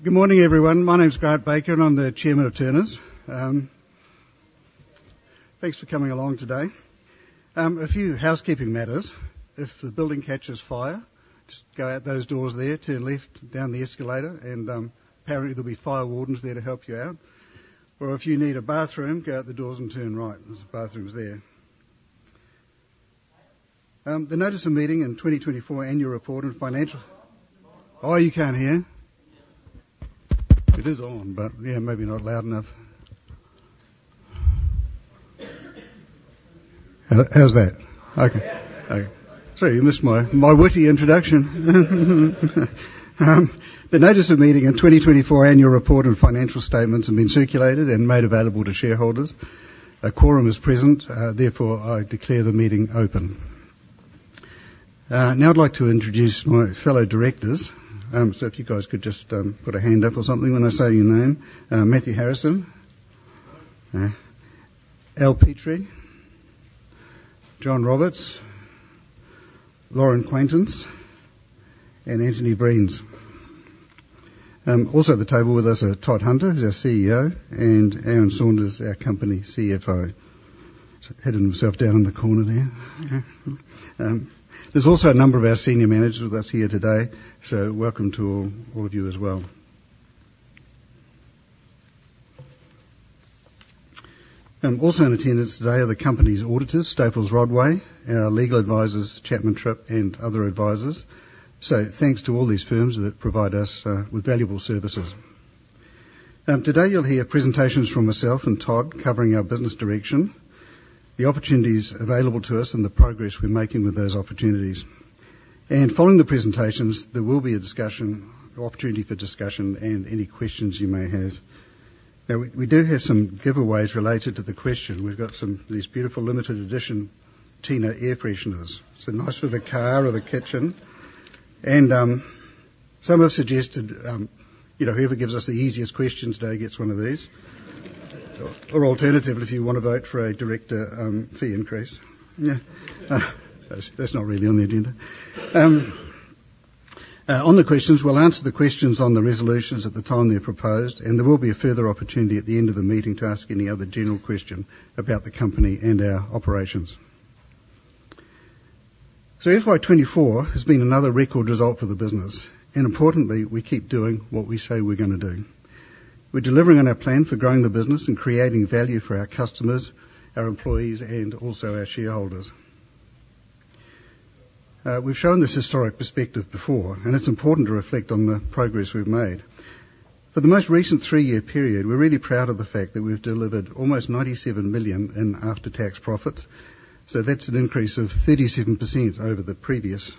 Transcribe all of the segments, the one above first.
Good morning, everyone. My name is Grant Baker, and I'm the Chairman of Turners. Thanks for coming along today. A few housekeeping matters. If the building catches fire, just go out those doors there, turn left down the escalator, and apparently, there'll be fire wardens there to help you out, or if you need a bathroom, go out the doors and turn right. There's bathrooms there. The notice of meeting in 2024 Annual Report and financial- Oh, you can't hear? Yeah. It is on, but, yeah, maybe not loud enough. How, how's that? Yeah. Okay. Sorry, you missed my witty introduction. The notice of meeting in 2024 annual report and financial statements have been circulated and made available to shareholders. A quorum is present, therefore, I declare the meeting open. Now, I'd like to introduce my fellow directors. So if you guys could just put a hand up or something when I say your name. Matthew Harrison. Hello. Al Petrie, John Roberts, Lauren Quaintance, and Antony Vriens. Also at the table with us are Todd Hunter, who's our CEO, and Aaron Saunders, our company CFO. He's hidden himself down in the corner there. There's also a number of our senior managers with us here today, so welcome to all of you as well. Also in attendance today are the company's auditors, Staples Rodway, our legal advisors, Chapman Tripp, and other advisors. So thanks to all these firms that provide us with valuable services. Today, you'll hear presentations from myself and Todd covering our business direction, the opportunities available to us, and the progress we're making with those opportunities. And following the presentations, there will be a discussion, opportunity for discussion and any questions you may have. Now, we do have some giveaways related to the question. We've got some of these beautiful limited edition Tina air fresheners. So nice for the car or the kitchen, and some have suggested, you know, whoever gives us the easiest question today gets one of these. Or alternatively, if you want to vote for a director, fee increase. Yeah. That's not really on the agenda. On the questions, we'll answer the questions on the resolutions at the time they're proposed, and there will be a further opportunity at the end of the meeting to ask any other general question about the company and our operations. FY 2024 has been another record result for the business, and importantly, we keep doing what we say we're gonna do. We're delivering on our plan for growing the business and creating value for our customers, our employees, and also our shareholders. We've shown this historic perspective before, and it's important to reflect on the progress we've made. For the most recent three-year period, we're really proud of the fact that we've delivered almost 97 million in after-tax profits, so that's an increase of 37% over the previous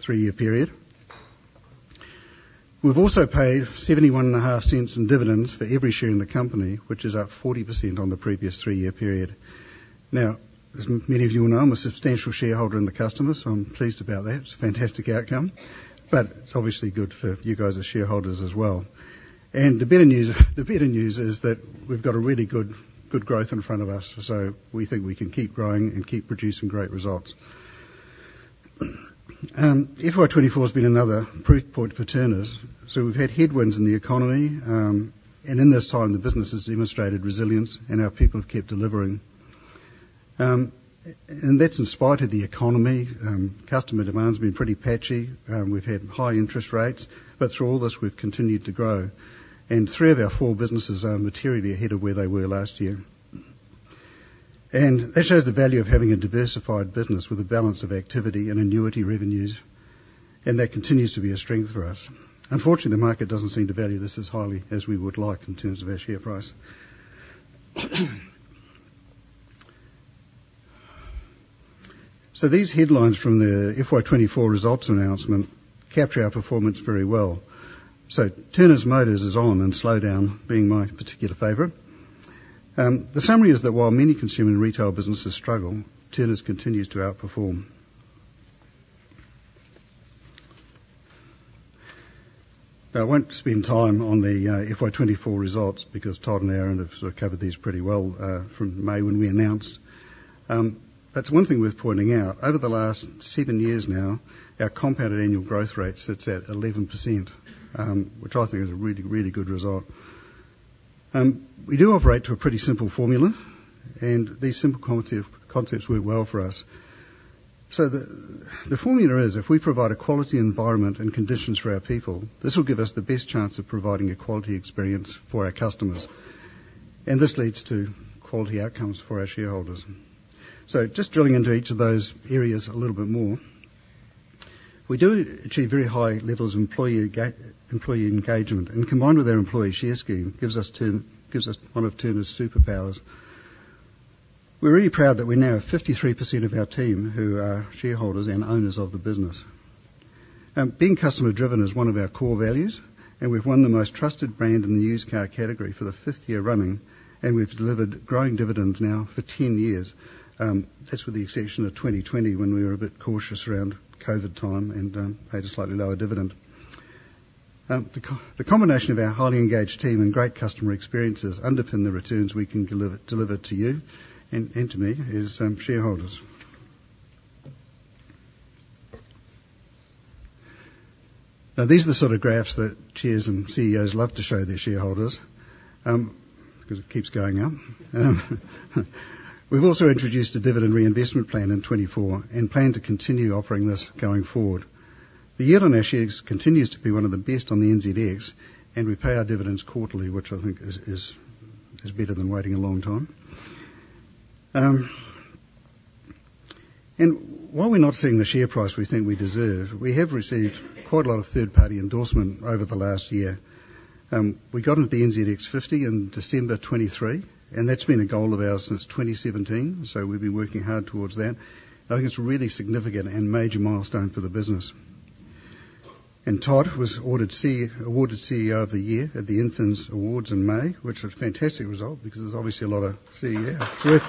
three-year period. We've also paid 71.5 cents in dividends for every share in the company, which is up 40% on the previous three-year period. Now, as many of you will know, I'm a substantial shareholder in the company, so I'm pleased about that. It's a fantastic outcome, but it's obviously good for you guys as shareholders as well, and the better news, the better news is that we've got a really good, good growth in front of us, so we think we can keep growing and keep producing great results. FY2024 has been another proof point for Turners. We've had headwinds in the economy, and in this time, the business has demonstrated resilience, and our people have kept delivering. That's in spite of the economy. Customer demand's been pretty patchy. We've had high interest rates, but through all this, we've continued to grow, and three of our four businesses are materially ahead of where they were last year. That shows the value of having a diversified business with a balance of activity and annuity revenues, and that continues to be a strength for us. Unfortunately, the market doesn't seem to value this as highly as we would like in terms of our share price. These headlines from the FY2024 results announcement capture our performance very well. Turners' motor is on, and slowdown being my particular favorite. The summary is that while many consumer and retail businesses struggle, Turners continues to outperform. I won't spend time on the FY 2024 results because Todd and Aaron have sort of covered these pretty well from May, when we announced. But one thing worth pointing out, over the last seven years now, our compounded annual growth rate sits at 11%, which I think is a really, really good result. We do operate to a pretty simple formula, and these simple quantitative concepts work well for us. The formula is, if we provide a quality environment and conditions for our people, this will give us the best chance of providing a quality experience for our customers, and this leads to quality outcomes for our shareholders. So just drilling into each of those areas a little bit more. We do achieve very high levels of employee engagement, and combined with our employee share scheme, gives us one of Turners superpowers. We're really proud that we now have 53% of our team who are shareholders and owners of the business. Being customer-driven is one of our core values, and we've won the Most Trusted Brand in the used car category for the 5th year running, and we've delivered growing dividends now for 10 years. That's with the exception of 2020, when we were a bit cautious around COVID time and paid a slightly lower dividend. The combination of our highly engaged team and great customer experiences underpin the returns we can deliver to you and to me as shareholders. Now, these are the sort of graphs that chairs and CEOs love to show their shareholders, because it keeps going up. We've also introduced a dividend reinvestment plan in 2024, and plan to continue offering this going forward. The yield on our shares continues to be one of the best on the NZX, and we pay our dividends quarterly, which I think is better than waiting a long time, and while we're not seeing the share price we think we deserve, we have received quite a lot of third-party endorsement over the last year. We got into the NZX 50 in December 2023, and that's been a goal of ours since 2017, so we've been working hard towards that. I think it's really significant and major milestone for the business. Todd was awarded CEO of the Year at the INFINZ Awards in May, which was a fantastic result because there's obviously a lot of CEOs out there.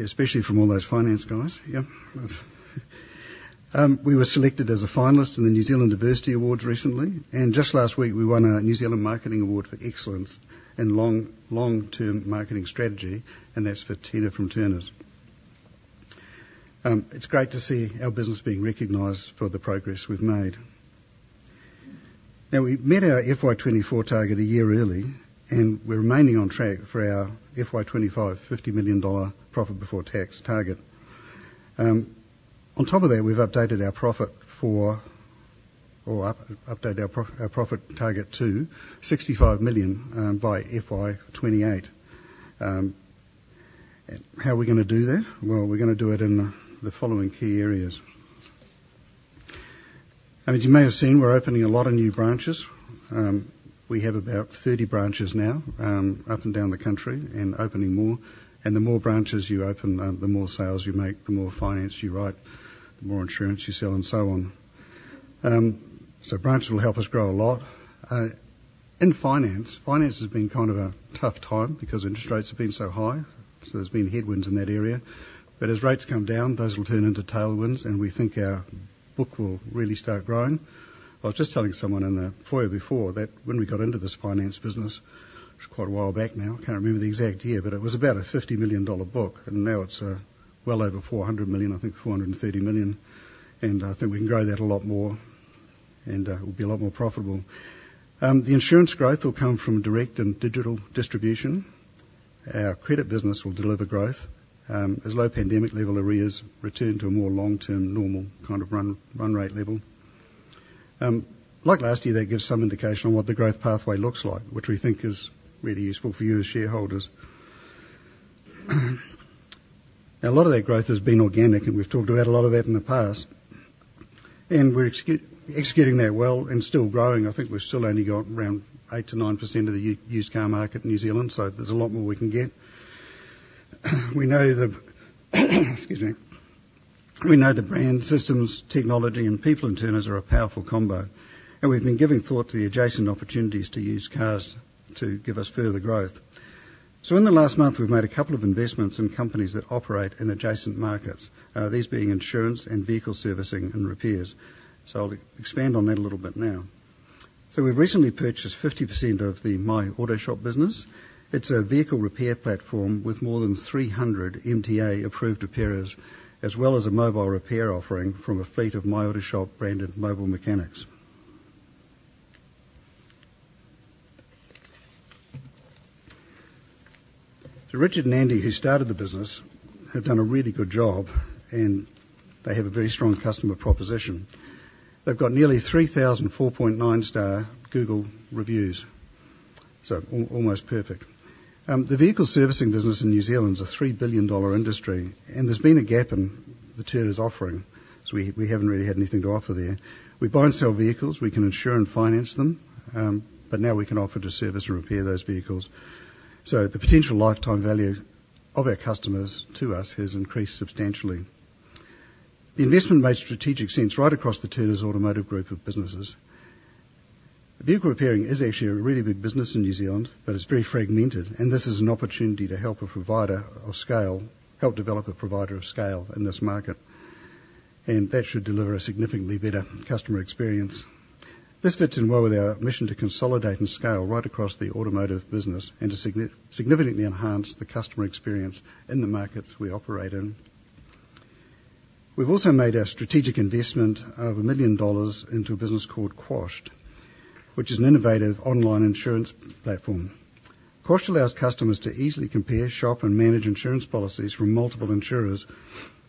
Yeah, especially from all those finance guys. Yeah. We were selected as a finalist in the New Zealand Diversity Awards recently, and just last week, we won a New Zealand Marketing Award for excellence in long-term marketing strategy, and that's for Tina from Turners. It's great to see our business being recognized for the progress we've made. Now, we've met our FY24 target a year early, and we're remaining on track for our FY25 50 million dollar profit before tax target. On top of that, we've updated our profit target to 65 million by FY28. And how are we gonna do that? We're gonna do it in the following key areas. I mean, you may have seen, we're opening a lot of new branches. We have about 30 branches now, up and down the country and opening more. The more branches you open, the more sales you make, the more finance you write, the more insurance you sell, and so on. Branches will help us grow a lot. In finance, it has been kind of a tough time because interest rates have been so high, so there's been headwinds in that area. But as rates come down, those will turn into tailwinds, and we think our book will really start growing. I was just telling someone in the foyer before that when we got into this finance business, which is quite a while back now, I can't remember the exact year, but it was about a 50 million dollar book, and now it's well over 400 million, I think 430 million. I think we can grow that a lot more, and it will be a lot more profitable. The insurance growth will come from direct and digital distribution. Our credit business will deliver growth, as low pandemic level arrears return to a more long-term, normal kind of run rate level. Like last year, that gives some indication on what the growth pathway looks like, which we think is really useful for you as shareholders. A lot of that growth has been organic, and we've talked about a lot of that in the past, and we're executing that well and still growing. I think we've still only got around 8%-9% of the used car market in New Zealand, so there's a lot more we can get. We know the brand, systems, technology, and people in Turners are a powerful combo, and we've been giving thought to the adjacent opportunities to used cars to give us further growth. So in the last month, we've made a couple of investments in companies that operate in adjacent markets, these being insurance and vehicle servicing and repairs. So I'll expand on that a little bit now. So we've recently purchased 50% of the My Auto Shop business. It's a vehicle repair platform with more than 300 MTA-approved repairers, as well as a mobile repair offering from a fleet of My Auto Shop branded mobile mechanics. So Richard and Andy, who started the business, have done a really good job, and they have a very strong customer proposition. They've got nearly 3,000 4.9-star Google reviews, so almost perfect. The vehicle servicing business in New Zealand is a 3 billion dollar industry, and there's been a gap in the Turners offering, so we haven't really had anything to offer there. We buy and sell vehicles, we can insure and finance them, but now we can offer to service and repair those vehicles. So the potential lifetime value of our customers to us has increased substantially. The investment made strategic sense right across the Turners Automotive Group of businesses. Vehicle repairing is actually a really big business in New Zealand, but it's very fragmented, and this is an opportunity to help develop a provider of scale in this market, and that should deliver a significantly better customer experience. This fits in well with our mission to consolidate and scale right across the automotive business and to significantly enhance the customer experience in the markets we operate in. We've also made a strategic investment of 1 million dollars into a business called Quashed, which is an innovative online insurance platform. Quashed allows customers to easily compare, shop, and manage insurance policies from multiple insurers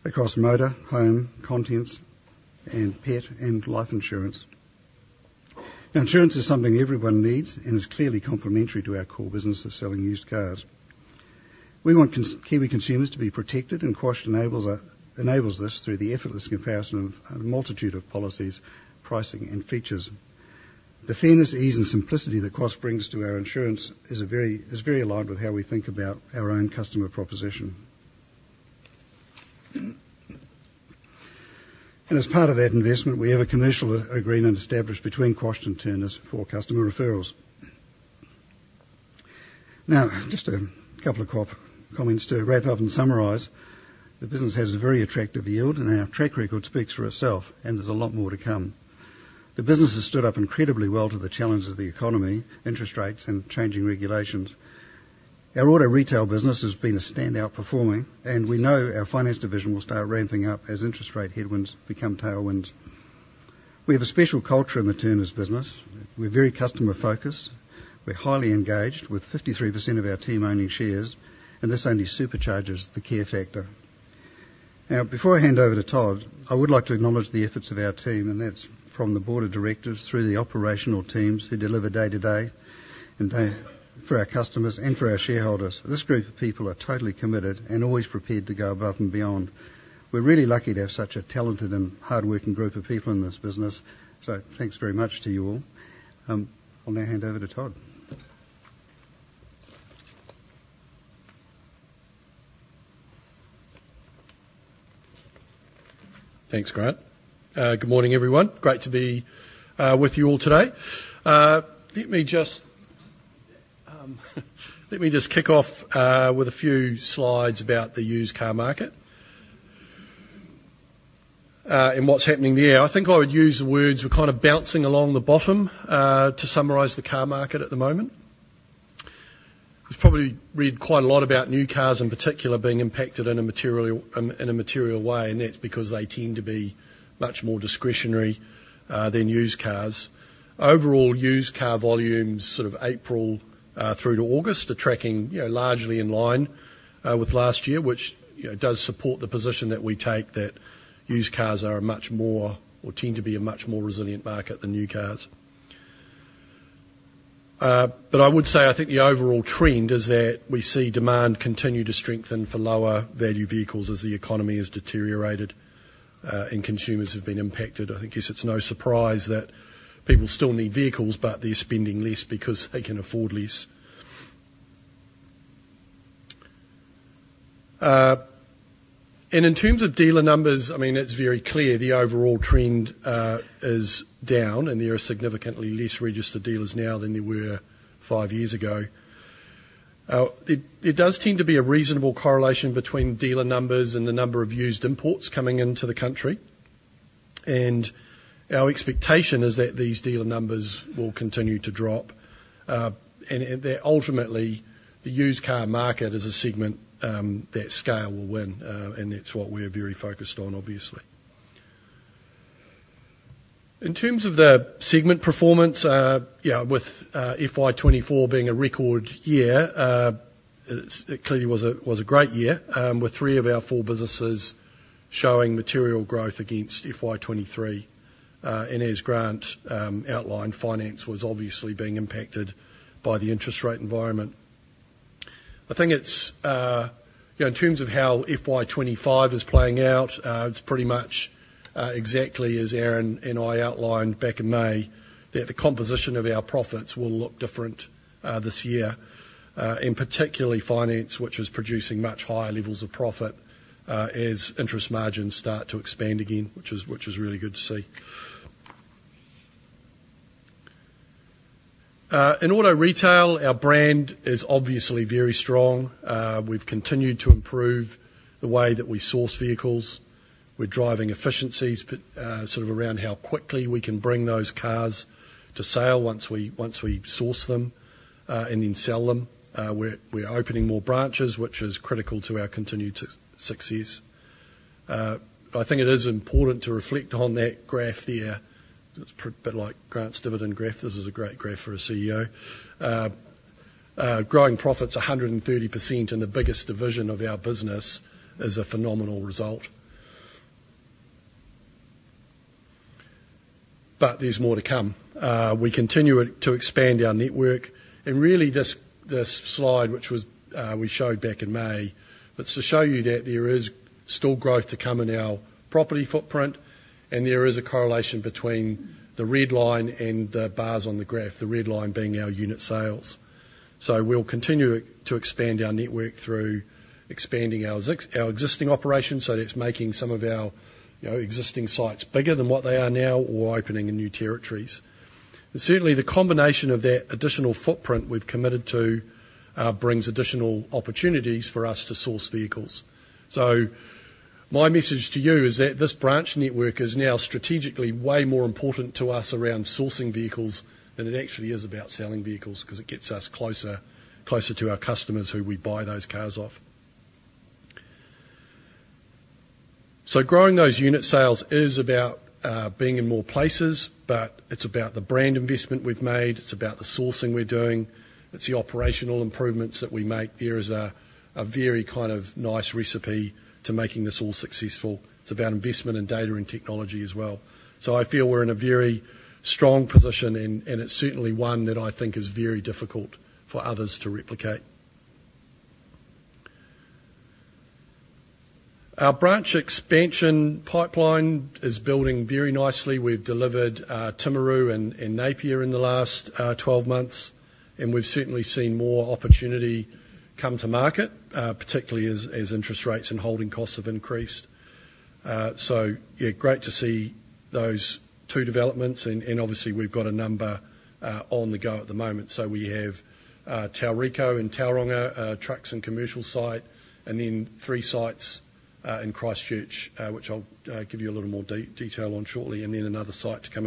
across motor, home, contents, pet, and life insurance. Insurance is something everyone needs and is clearly complementary to our core business of selling used cars. We want Kiwi consumers to be protected, and Quashed enables this through the effortless comparison of a multitude of policies, pricing, and features. The fairness, ease, and simplicity that Quashed brings to our insurance is very aligned with how we think about our own customer proposition. And as part of that investment, we have a commercial agreement established between Quashed and Turners for customer referrals. Now, just a couple of quick comments to wrap up and summarize. The business has a very attractive yield, and our track record speaks for itself, and there's a lot more to come. The business has stood up incredibly well to the challenges of the economy, interest rates, and changing regulations. Our auto retail business has been a standout performer, and we know our finance division will start ramping up as interest rate headwinds become tailwinds. We have a special culture in the Turners business. We're very customer-focused. We're highly engaged, with 53% of our team owning shares, and this only supercharges the key factor. Now, before I hand over to Todd, I would like to acknowledge the efforts of our team, and that's from the board of directors through the operational teams who deliver day-to-day and for our customers and for our shareholders. This group of people are totally committed and always prepared to go above and beyond. We're really lucky to have such a talented and hardworking group of people in this business. So thanks very much to you all. I'll now hand over to Todd. Thanks, Grant. Good morning, everyone. Great to be with you all today. Let me just kick off with a few slides about the used car market and what's happening there. I think I would use the words, "we're kind of bouncing along the bottom," to summarize the car market at the moment. You've probably read quite a lot about new cars in particular being impacted in a material way, and that's because they tend to be much more discretionary than used cars. Overall, used car volumes, sort of April through to August, are tracking, you know, largely in line with last year, which, you know, does support the position that we take that used cars are a much more, or tend to be a much more resilient market than new cars. But I would say I think the overall trend is that we see demand continue to strengthen for lower value vehicles as the economy has deteriorated, and consumers have been impacted. I think it's no surprise that people still need vehicles, but they're spending less because they can afford less. And in terms of dealer numbers, I mean, it's very clear the overall trend is down, and there are significantly less registered dealers now than there were five years ago. It does seem to be a reasonable correlation between dealer numbers and the number of used imports coming into the country, and our expectation is that these dealer numbers will continue to drop, and that ultimately, the used car market is a segment that scale will win, and that's what we're very focused on, obviously. In terms of the segment performance, yeah, with FY 2024 being a record year, it clearly was a great year, with three of our four businesses showing material growth against FY 2023. And as Grant outlined, finance was obviously being impacted by the interest rate environment. I think it's, you know, in terms of how FY 2025 is playing out, it's pretty much exactly as Aaron and I outlined back in May, that the composition of our profits will look different this year, and particularly finance, which is producing much higher levels of profit as interest margins start to expand again, which is really good to see. In auto retail, our brand is obviously very strong. We've continued to improve the way that we source vehicles. We're driving efficiencies, but sort of around how quickly we can bring those cars to sale once we source them and then sell them. We're opening more branches, which is critical to our continued success. But I think it is important to reflect on that graph there. It's a bit like Grant's dividend graph. This is a great graph for a CEO. Growing profits 130% in the biggest division of our business is a phenomenal result. But there's more to come. We continue to expand our network, and really, this slide, which was, we showed back in May, it's to show you that there is still growth to come in our property footprint, and there is a correlation between the red line and the bars on the graph, the red line being our unit sales. We'll continue to expand our network through expanding our existing operations, so that's making some of our, you know, existing sites bigger than what they are now or opening in new territories. Certainly, the combination of that additional footprint we've committed to brings additional opportunities for us to source vehicles. So my message to you is that this branch network is now strategically way more important to us around sourcing vehicles than it actually is about selling vehicles, 'cause it gets us closer, closer to our customers who we buy those cars off. So growing those unit sales is about being in more places, but it's about the brand investment we've made. It's about the sourcing we're doing. It's the operational improvements that we make. There is a very kind of nice recipe to making this all successful. It's about investment in data and technology as well. So I feel we're in a very strong position, and it's certainly one that I think is very difficult for others to replicate. Our branch expansion pipeline is building very nicely. We've delivered Timaru and Napier in the last 12 months, and we've certainly seen more opportunity come to market, particularly as interest rates and holding costs have increased. So yeah, great to see those two developments, and obviously we've got a number on the go at the moment. So we have Tauriko and Tauranga trucks and commercial site, and then 3 sites in Christchurch, which I'll give you a little more detail on shortly, and then another site to come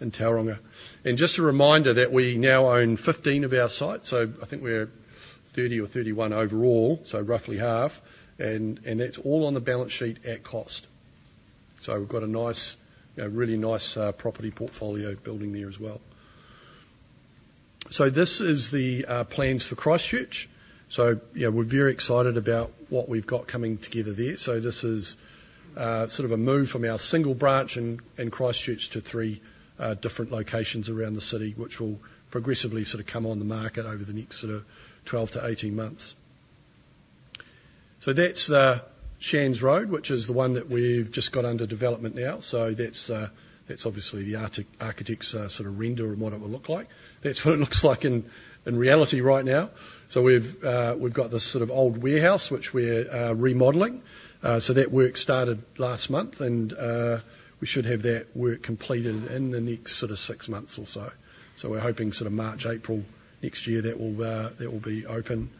in Tauranga. And just a reminder that we now own 15 of our sites, so I think we're 30 or 31 overall, so roughly half, and that's all on the balance sheet at cost. So we've got a nice, a really nice property portfolio building there as well. This is the plans for Christchurch. Yeah, we're very excited about what we've got coming together there. This is sort of a move from our single branch in Christchurch to three different locations around the city, which will progressively sort of come on the market over the next sort of 12-18 months. That's Shands Road, which is the one that we've just got under development now. That's obviously the architect's sort of render of what it will look like. That's what it looks like in reality right now. We've got this sort of old warehouse, which we're remodeling. That work started last month, and we should have that work completed in the next sort of six months or so. So we're hoping sort of March, April next year, that will be open.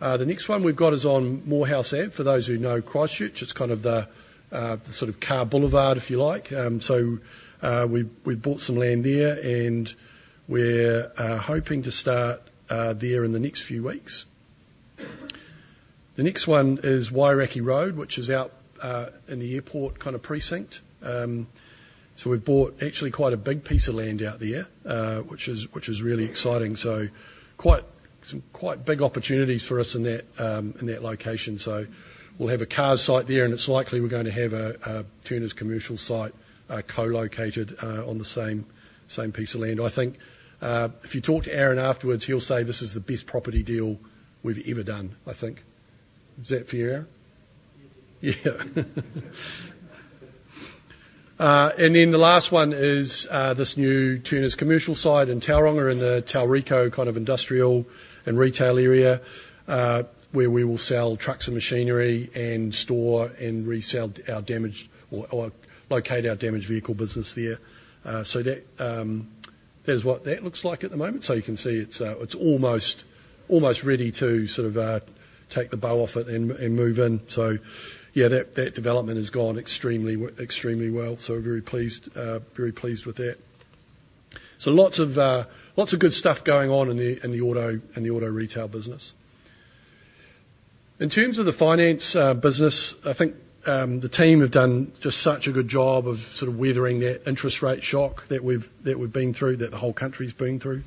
The next one we've got is on Moorhouse Ave. For those who know Christchurch, it's kind of the sort of car boulevard, if you like. So we bought some land there, and we're hoping to start there in the next few weeks. The next one is Wairakei Road, which is out in the airport kind of precinct. So we've bought actually quite a big piece of land out there, which is really exciting, so quite some big opportunities for us in that location. So we'll have a car site there, and it's likely we're going to have a Turners Commercial site co-located on the same piece of land. I think, if you talk to Aaron afterwards, he'll say, "This is the best property deal we've ever done," I think. Is that fair, Aaron? Yeah. Yeah. And then the last one is this new Turners Commercial site in Tauranga, in the Tauriko kind of industrial and retail area, where we will sell trucks and machinery, and store and resell our damaged or locate our damaged vehicle business there. So that, there's what that looks like at the moment. So you can see it's almost ready to sort of take the bow off it and move in. So yeah, that development has gone extremely well, so very pleased with that. So lots of good stuff going on in the auto retail business. In terms of the finance business, I think the team have done just such a good job of sort of weathering that interest rate shock that we've been through, that the whole country's been through.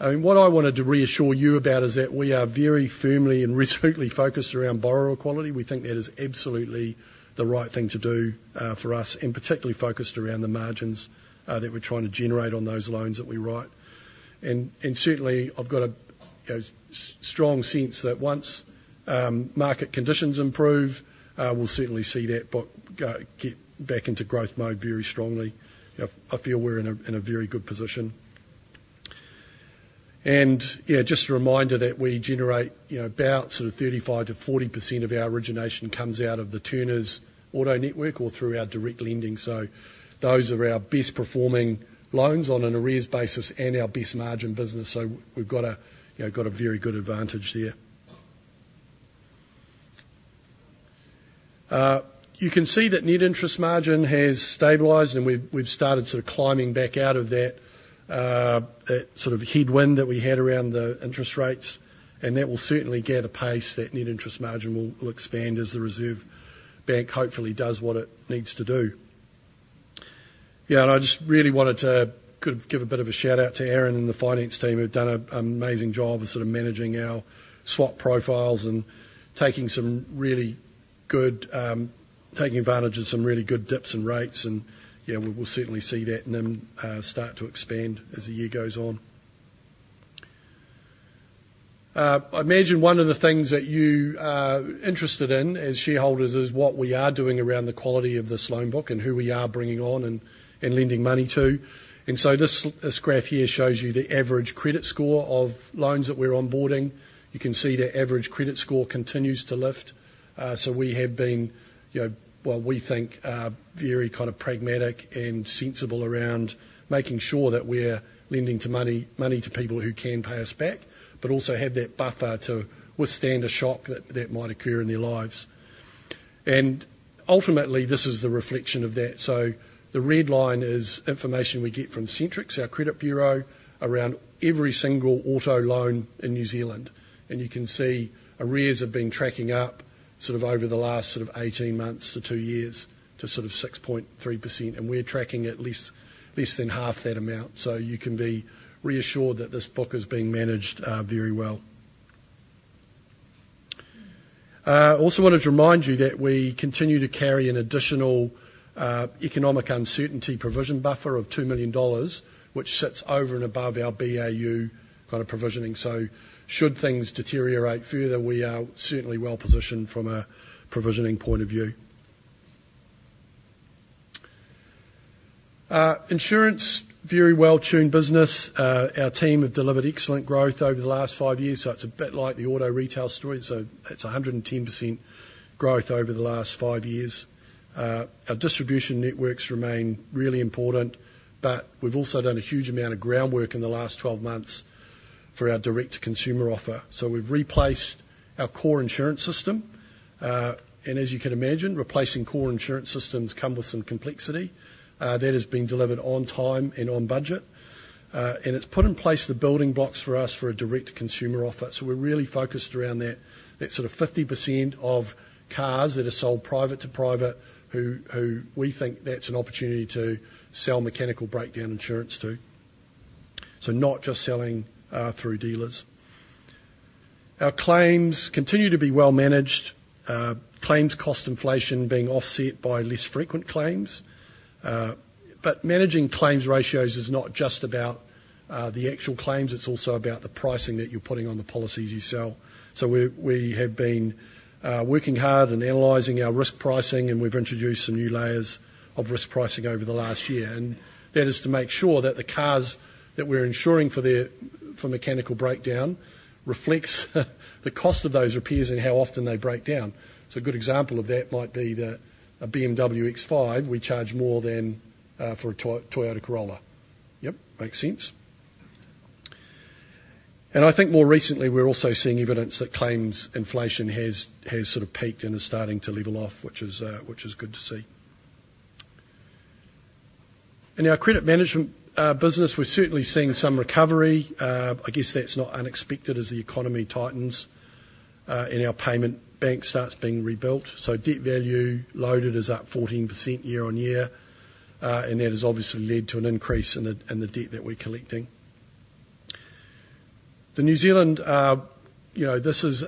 I mean, what I wanted to reassure you about is that we are very firmly and resolutely focused around borrower quality. We think that is absolutely the right thing to do for us, and particularly focused around the margins that we're trying to generate on those loans that we write. And certainly, I've got a strong sense that once market conditions improve, we'll certainly see that book get back into growth mode very strongly. I feel we're in a very good position. Yeah, just a reminder that we generate, you know, about sort of 35%-40% of our origination comes out of the Turners Auto network or through our direct lending, so those are our best performing loans on an arrears basis and our best margin business, so we've got a, you know, very good advantage there. You can see that net interest margin has stabilized, and we've started sort of climbing back out of that, that sort of headwind that we had around the interest rates, and that will certainly gather pace. That net interest margin will expand as the Reserve Bank hopefully does what it needs to do. Yeah, and I just really wanted to give a bit of a shout-out to Aaron and the finance team, who've done an amazing job of sort of managing our swap profiles and taking advantage of some really good dips in rates, and yeah, we will certainly see that NIM start to expand as the year goes on. I imagine one of the things that you are interested in as shareholders is what we are doing around the quality of this loan book and who we are bringing on and lending money to. And so this graph here shows you the average credit score of loans that we're onboarding. You can see the average credit score continues to lift. So we have been, you know, what we think, very kind of pragmatic and sensible around making sure that we're lending money to people who can pay us back, but also have that buffer to withstand a shock that might occur in their lives. And ultimately, this is the reflection of that. So the red line is information we get from Centrix, our credit bureau, around every single auto loan in New Zealand, and you can see arrears have been tracking up sort of over the last sort of eighteen months to two years to sort of 6.3%, and we're tracking at least less than half that amount, so you can be reassured that this book is being managed very well. I also wanted to remind you that we continue to carry an additional economic uncertainty provision buffer of 2 million dollars, which sits over and above our BAU kind of provisioning, so should things deteriorate further, we are certainly well-positioned from a provisioning point of view. Insurance, very well-tuned business. Our team have delivered excellent growth over the last five years, so it's a bit like the auto retail story, so it's 110% growth over the last five years. Our distribution networks remain really important, but we've also done a huge amount of groundwork in the last 12 months for our direct-to-consumer offer, so we've replaced our core insurance system, and as you can imagine, replacing core insurance systems come with some complexity. That has been delivered on time and on budget, and it's put in place the building blocks for us for a direct-to-consumer offer. So we're really focused around that, that sort of 50% of cars that are sold private to private, who we think that's an opportunity to sell mechanical breakdown insurance to. So not just selling through dealers. Our claims continue to be well managed, claims cost inflation being offset by less frequent claims. But managing claims ratios is not just about the actual claims, it's also about the pricing that you're putting on the policies you sell. So we have been working hard and analyzing our risk pricing, and we've introduced some new layers of risk pricing over the last year. And that is to make sure that the cars that we're insuring for mechanical breakdown reflects the cost of those repairs and how often they break down. So a good example of that might be a BMW X5, we charge more than for a Toyota Corolla. Yep, makes sense. And I think more recently, we're also seeing evidence that claims inflation has sort of peaked and is starting to level off, which is good to see. In our credit management business, we're certainly seeing some recovery. I guess that's not unexpected as the economy tightens and our payment bank starts being rebuilt. So debt value loaded is up 14% year on year, and that has obviously led to an increase in the debt that we're collecting. The New Zealand, you know, this is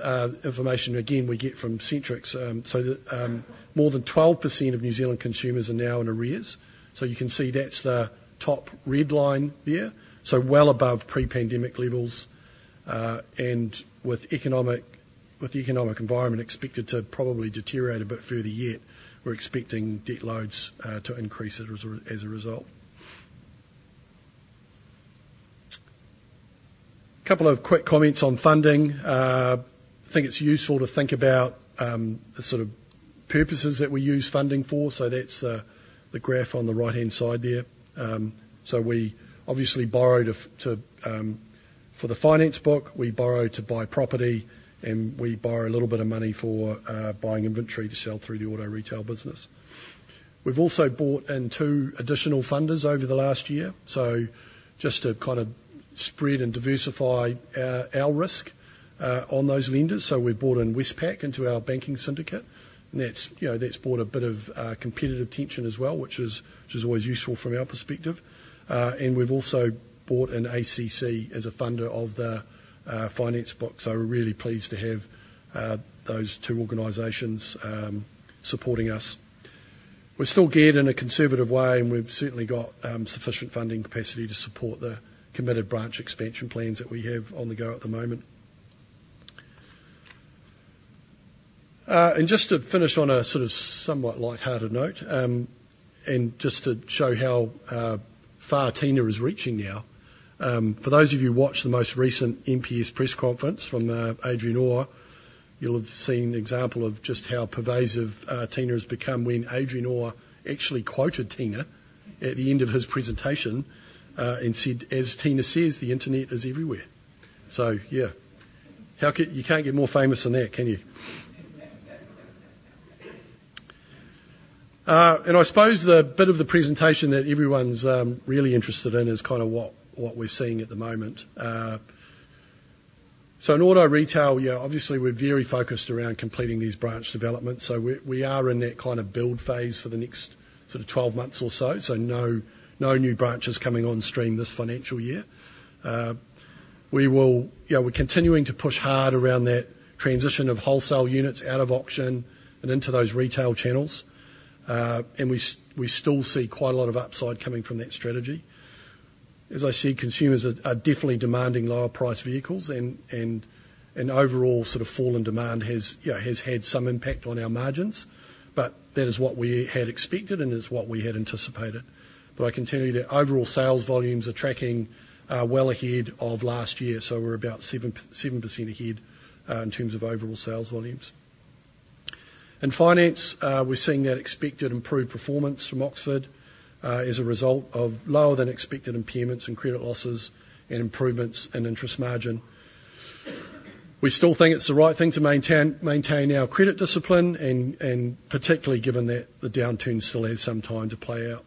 information, again, we get from Centrix. So the more than 12% of New Zealand consumers are now in arrears. So you can see that's the top red line there, so well above pre-pandemic levels. And with the economic environment expected to probably deteriorate a bit further yet, we're expecting debt loads to increase as a result. Couple of quick comments on funding. I think it's useful to think about the sort of purposes that we use funding for, so that's the graph on the right-hand side there. So we obviously borrow for the finance book, we borrow to buy property, and we borrow a little bit of money for buying inventory to sell through the auto retail business. We've also brought in two additional funders over the last year, so just to kind of spread and diversify our risk on those lenders. So we've brought in Westpac into our banking syndicate, and that's, you know, that's brought a bit of competitive tension as well, which is, which is always useful from our perspective. And we've also brought in ACC as a funder of the finance book, so we're really pleased to have those two organizations supporting us. We're still geared in a conservative way, and we've certainly got sufficient funding capacity to support the committed branch expansion plans that we have on the go at the moment. And just to finish on a sort of somewhat lighthearted note, and just to show how far Tina is reaching now. For those of you who watched the most recent RBNZ press conference from Adrian Orr, you'll have seen an example of just how pervasive Tina has become when Adrian Orr actually quoted Tina at the end of his presentation and said, "As Tina says, the internet is everywhere." So yeah, how can... You can't get more famous than that, can you? And I suppose the bit of the presentation that everyone's really interested in is kind of what we're seeing at the moment. So in auto retail, yeah, obviously, we're very focused around completing these branch developments. So we are in that kind of build phase for the next sort of twelve months or so. So no new branches coming on stream this financial year. We will, you know, we're continuing to push hard around that transition of wholesale units out of auction and into those retail channels. We still see quite a lot of upside coming from that strategy. As I said, consumers are definitely demanding lower-priced vehicles and overall sort of fall in demand has, you know, had some impact on our margins, but that is what we had expected and is what we had anticipated. But I can tell you that overall sales volumes are tracking well ahead of last year, so we're about 7% ahead in terms of overall sales volumes. In finance, we're seeing that expected improved performance from Oxford as a result of lower-than-expected impairments and credit losses and improvements in interest margin. We still think it's the right thing to maintain our credit discipline, and particularly given that the downturn still has some time to play out.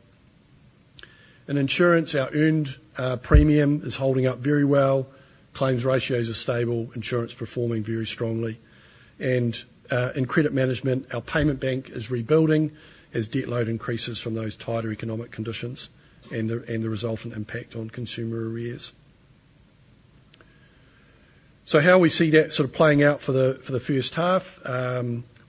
In insurance, our earned premium is holding up very well. Claims ratios are stable, insurance performing very strongly, and in credit management, our payment bank is rebuilding as debt load increases from those tighter economic conditions and the resultant impact on consumer arrears, so how we see that sort of playing out for the first half,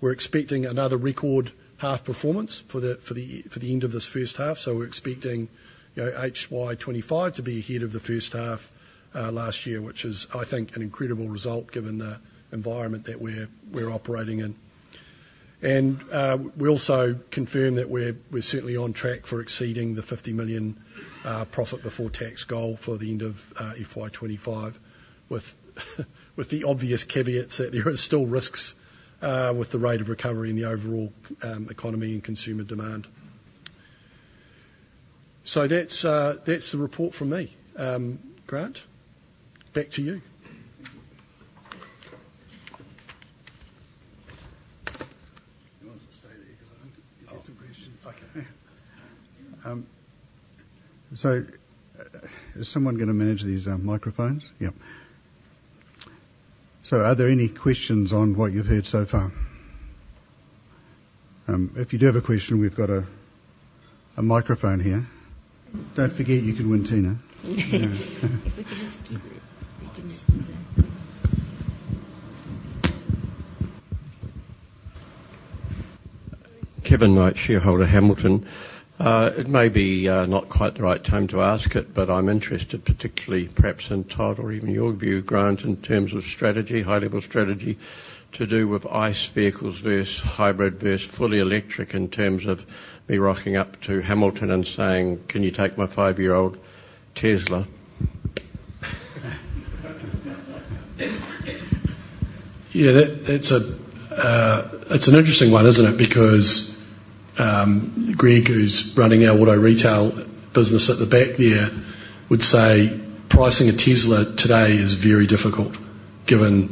we're expecting another record half performance for the end of this first half. We're expecting, you know, FY2025 to be ahead of the first half last year, which is, I think, an incredible result given the environment that we're operating in. And we also confirm that we're certainly on track for exceeding the 50 million profit before tax goal for the end of FY 2025, with the obvious caveat that there are still risks with the rate of recovery in the overall economy and consumer demand. So that's the report from me. Grant, back to you. You want to stay there because I want to get some questions. Okay. So is someone gonna manage these microphones? Yeah. So are there any questions on what you've heard so far? If you do have a question, we've got a microphone here. Don't forget, you can win Tina. If we could just keep it, we can just use that. Kevin Knight, shareholder, Hamilton. It may be not quite the right time to ask it, but I'm interested, particularly perhaps in Todd, or even your view, Grant, in terms of strategy, high-level strategy to do with ICE vehicles versus hybrid versus fully electric, in terms of me rocking up to Hamilton and saying, "Can you take my five-year-old Tesla? Yeah, that, that's a, it's an interesting one, isn't it? Because, Greg, who's running our auto retail business at the back there, would say pricing a Tesla today is very difficult, given-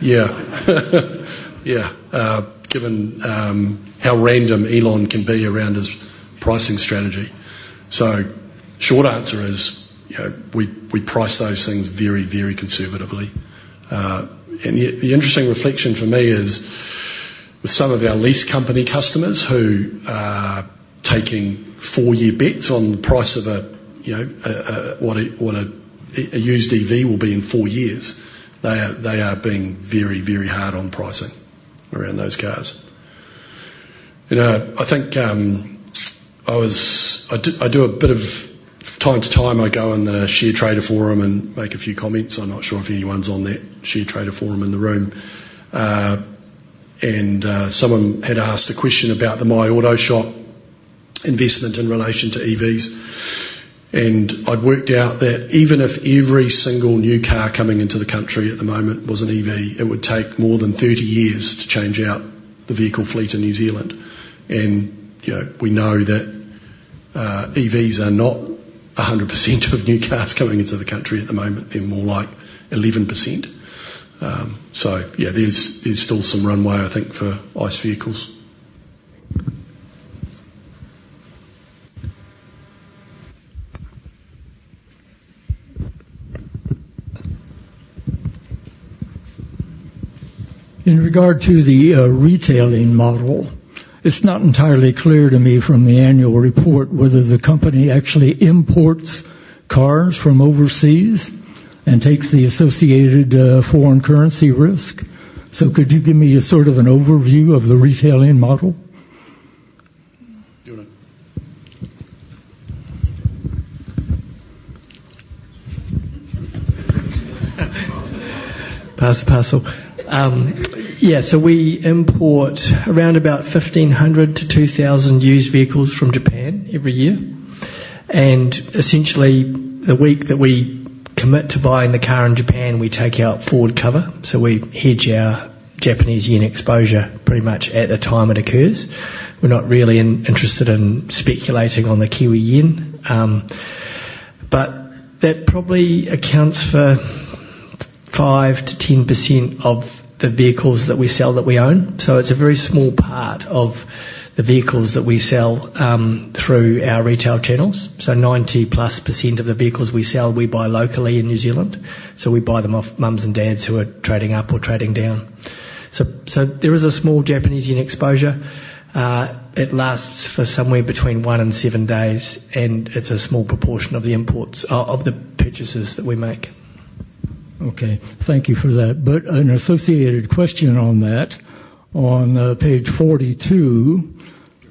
Yeah. Yeah, given how random Elon can be around his pricing strategy. So short answer is, you know, we price those things very, very conservatively. And yet the interesting reflection for me is, with some of our lease company customers who are taking four-year bets on the price of a used EV will be in four years, they are being very, very hard on pricing around those cars. You know, from time to time, I go on the Sharetrader forum and make a few comments. I'm not sure if anyone's on that Sharetrader forum in the room. And someone had asked a question about the My Auto Shop investment in relation to EVs, and I'd worked out that even if every single new car coming into the country at the moment was an EV, it would take more than thirty years to change out the vehicle fleet in New Zealand. And, you know, we know that EVs are not 100% of new cars coming into the country at the moment. They're more like 11%. So yeah, there's still some runway, I think, for ICE vehicles. In regard to the retailing model, it's not entirely clear to me from the annual report whether the company actually imports cars from overseas and takes the associated foreign currency risk. So could you give me a sort of an overview of the retailing model? Do you want to? That's you. Pass the parcel. Yeah, so we import around about 1,500-2,000 used vehicles from Japan every year. And essentially, the week that we commit to buying the car in Japan, we take out forward cover, so we hedge our Japanese yen exposure pretty much at the time it occurs. We're not really interested in speculating on the Kiwi yen. But that probably accounts for 5%-10% of the vehicles that we sell that we own. So it's a very small part of the vehicles that we sell through our retail channels. So 90+% of the vehicles we sell, we buy locally in New Zealand. So we buy them off mums and dads who are trading up or trading down. So there is a small Japanese yen exposure. It lasts for somewhere between one and seven days, and it's a small proportion of the imports, of the purchases that we make. Okay, thank you for that. But an associated question on that, on page forty-two,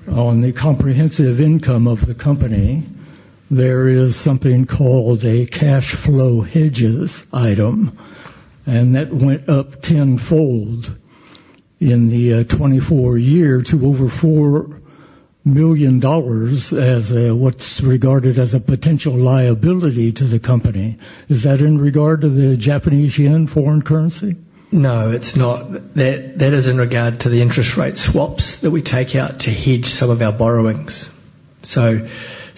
on the comprehensive income of the company, there is something called a cash flow hedges item, and that went up tenfold in the 2024 year to over 4 million dollars as what's regarded as a potential liability to the company. Is that in regard to the Japanese yen foreign currency? No, it's not. That is in regard to the interest rate swaps that we take out to hedge some of our borrowings. So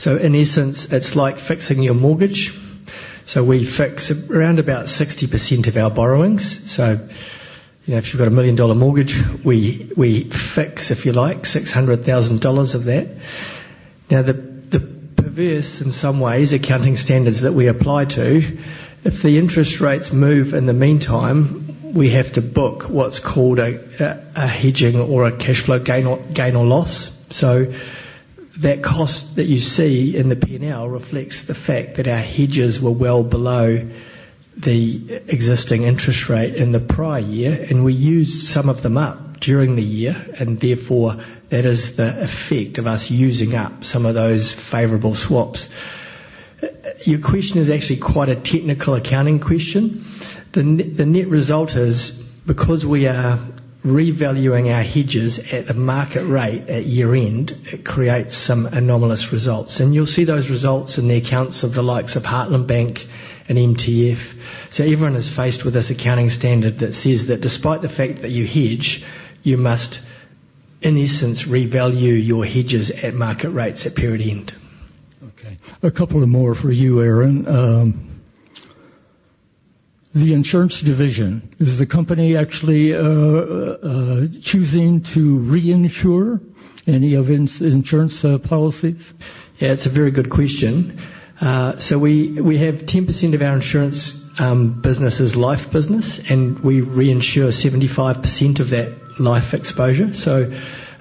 in essence, it's like fixing your mortgage. So we fix around about 60% of our borrowings. So, you know, if you've got a 1 million dollar mortgage, we fix, if you like, 600,000 dollars of that. Now, the perverse, in some ways, accounting standards that we apply to, if the interest rates move in the meantime, we have to book what's called a hedging or a cash flow gain or loss. So that cost that you see in the P&L reflects the fact that our hedges were well below the existing interest rate in the prior year, and we used some of them up during the year, and therefore, that is the effect of us using up some of those favorable swaps. Your question is actually quite a technical accounting question. The net result is, because we are revaluing our hedges at the market rate at year-end, it creates some anomalous results, and you'll see those results in the accounts of the likes of Heartland Bank and MTF. So everyone is faced with this accounting standard that says that despite the fact that you hedge, you must, in essence, revalue your hedges at market rates at period end. Okay, a couple of more for you, Aaron. The insurance division, is the company actually choosing to reinsure any of insurance policies? Yeah, it's a very good question. So we have 10% of our insurance business as life business, and we reinsure 75% of that life exposure. So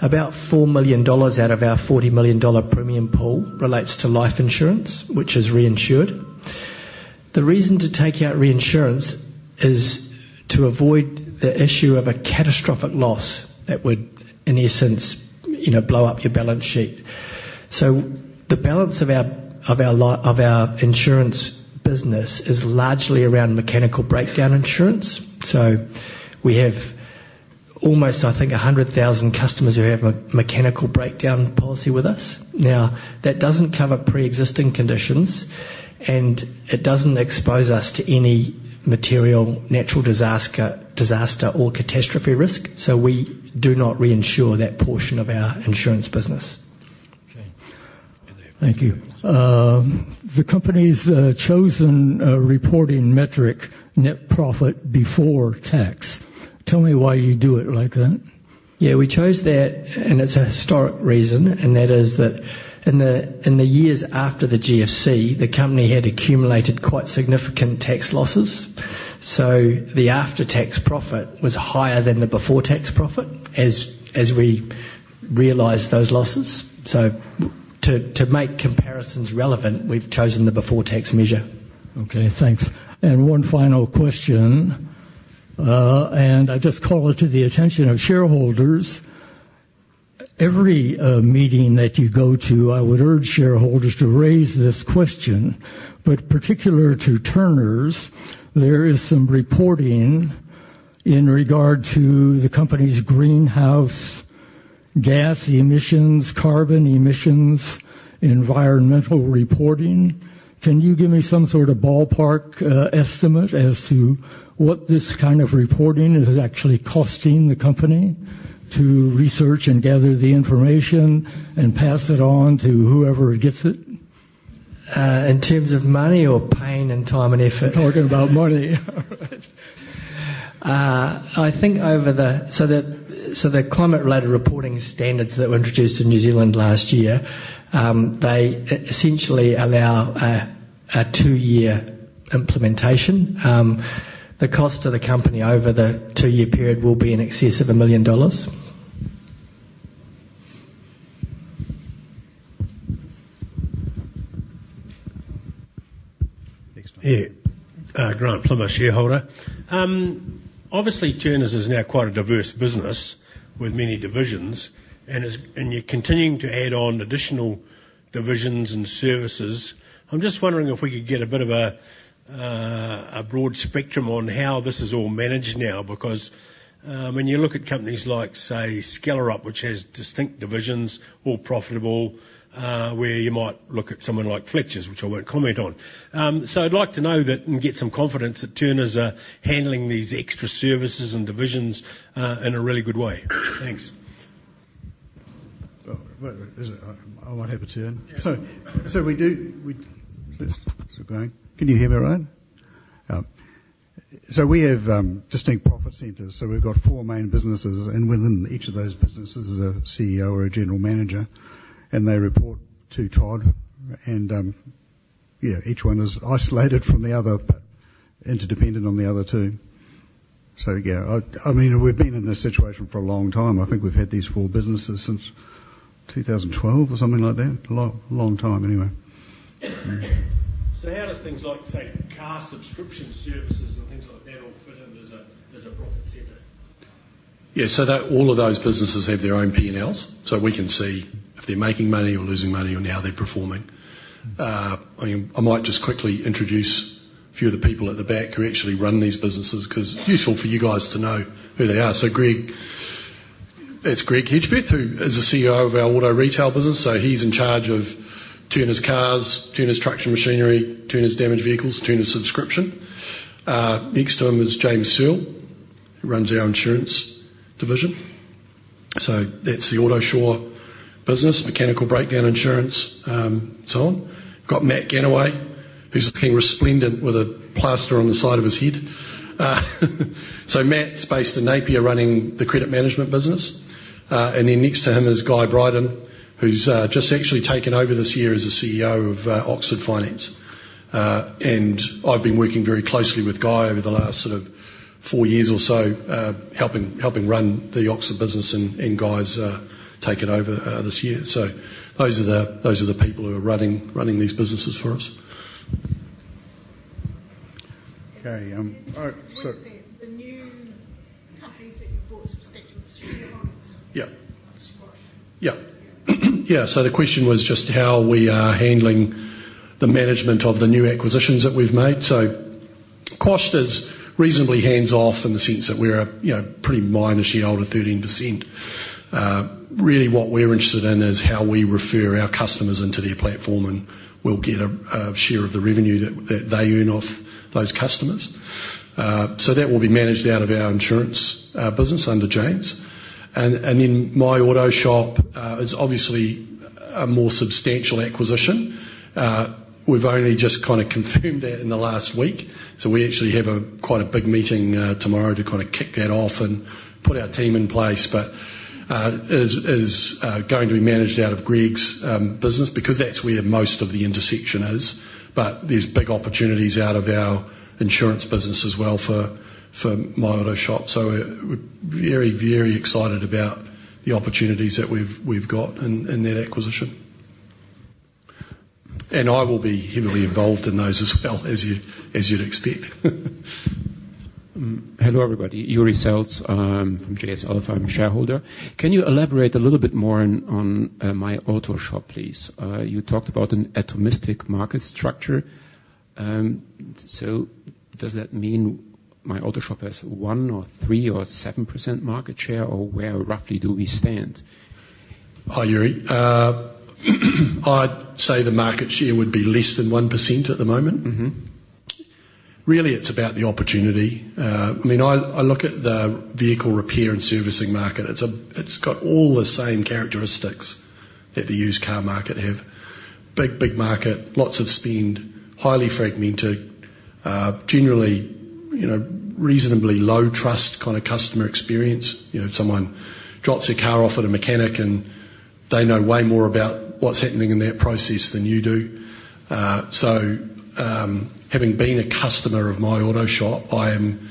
about 4 million dollars out of our 40 million dollar premium pool relates to life insurance, which is reinsured. The reason to take out reinsurance is to avoid the issue of a catastrophic loss that would, in essence, you know, blow up your balance sheet. So the balance of our insurance business is largely around mechanical breakdown insurance. So we have almost, I think, 100,000 customers who have a mechanical breakdown policy with us. Now, that doesn't cover preexisting conditions, and it doesn't expose us to any material, natural disaster or catastrophe risk, so we do not reinsure that portion of our insurance business. Okay. Thank you. The company's chosen reporting metric, net profit before tax. Tell me why you do it like that? Yeah, we chose that, and it's a historical reason, and that is that in the years after the GFC, the company had accumulated quite significant tax losses. So the after-tax profit was higher than the before-tax profit as we realized those losses. So to make comparisons relevant, we've chosen the before-tax measure. Okay, thanks. And one final question, and I just call it to the attention of shareholders. Every meeting that you go to, I would urge shareholders to raise this question, but particular to Turners, there is some reporting in regard to the company's greenhouse gas emissions, carbon emissions, environmental reporting. Can you give me some sort of ballpark estimate as to what this kind of reporting is actually costing the company to research and gather the information and pass it on to whoever gets it? In terms of money or pain and time and effort? Talking about money. I think the climate-related reporting standards that were introduced in New Zealand last year essentially allow a two-year implementation. The cost to the company over the two-year period will be in excess of 1 million dollars. Next. Yeah. Grant Plummer, shareholder. Obviously, Turners is now quite a diverse business with many divisions, and you're continuing to add on additional divisions and services. I'm just wondering if we could get a bit of a broad spectrum on how this is all managed now. Because when you look at companies like, say, Skellerup, which has distinct divisions, all profitable, where you might look at someone like Fletchers, which I won't comment on, so I'd like to know that and get some confidence that Turners are handling these extra services and divisions in a really good way. Thanks. Oh, wait, wait. I might have a turn. So we do. Just going. Can you hear me all right? So we have distinct profit centers, so we've got four main businesses, and within each of those businesses is a CEO or a general manager, and they report to Todd. And yeah, each one is isolated from the other, but interdependent on the other two. So yeah, I mean, we've been in this situation for a long time. I think we've had these four businesses since two thousand and twelve or something like that. A long, long time anyway. So how does things like, say, car subscription services and things like that all fit in as a profit center? Yeah. So that, all of those businesses have their own P&Ls, so we can see if they're making money or losing money or how they're performing. I mean, I might just quickly introduce a few of the people at the back who actually run these businesses, 'cause useful for you guys to know who they are. So Greg, that's Greg Hedgepeth, who is the CEO of our auto retail business. So he's in charge of Turners Cars, Turners Commercial, Turners Damaged Vehicles, Turners Subscription. Next to him is James Searle, who runs our insurance division. So that's the Autosure business, mechanical breakdown insurance, so on. Got Matt Gannaway, who's looking resplendent with a plaster on the side of his head. So Matt's based in Napier, running the credit management business. And then next to him is Guy Bryden, who's just actually taken over this year as the CEO of Oxford Finance. And I've been working very closely with Guy over the last sort of four years or so, helping run the Oxford business, and Guy's taking over this year. So those are the people who are running these businesses for us. Okay, all right, so- The new companies that you've bought substantial share on? Yep. Quashed. Yep. Yeah, so the question was just how we are handling the management of the new acquisitions that we've made. So Quashed is reasonably hands-off in the sense that we're a, you know, pretty minor shareholder, 13%. Really, what we're interested in is how we refer our customers into their platform, and we'll get a share of the revenue that they earn off those customers. So that will be managed out of our insurance business under James. And then My Auto Shop is obviously a more substantial acquisition. We've only just kinda confirmed that in the last week, so we actually have quite a big meeting tomorrow to kinda kick that off and put our team in place. But, it is going to be managed out of Greg's business, because that's where most of the intersection is. But there's big opportunities out of our insurance business as well for My Auto Shop. So we're very, very excited about the opportunities that we've got in that acquisition. And I will be heavily involved in those as well, as you'd expect. Hello, everybody. Joeri Sels, I'm from JS Alpha. I'm shareholder. Can you elaborate a little bit more on My Auto Shop, please? You talked about an atomistic market structure. So does that mean My Auto Shop has 1% or 3% or 7% market share, or where roughly do we stand? Hi, Yuri. I'd say the market share would be less than 1% at the moment. Mm-hmm. Really, it's about the opportunity. I mean, I look at the vehicle repair and servicing market, it's got all the same characteristics that the used car market have. Big, big market, lots of spend, highly fragmented, generally, you know, reasonably low trust kind of customer experience. You know, someone drops their car off at a mechanic, and they know way more about what's happening in that process than you do. So, having been a customer of My Auto Shop, I am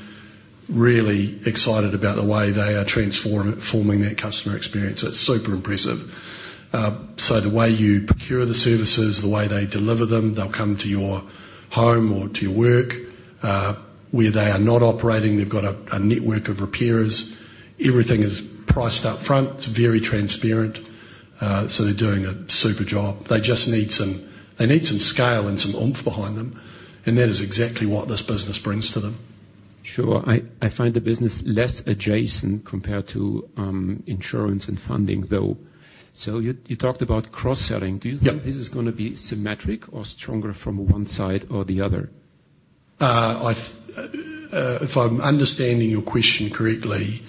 really excited about the way they are transforming their customer experience. It's super impressive. So the way you procure the services, the way they deliver them, they'll come to your home or to your work. Where they are not operating, they've got a network of repairers. Everything is priced up front. It's very transparent. So they're doing a super job. They just need some scale and some oomph behind them, and that is exactly what this business brings to them. Sure. I find the business less adjacent compared to insurance and funding, though. So you talked about cross-selling. Yep. Do you think this is gonna be symmetric or stronger from one side or the other? If I'm understanding your question correctly,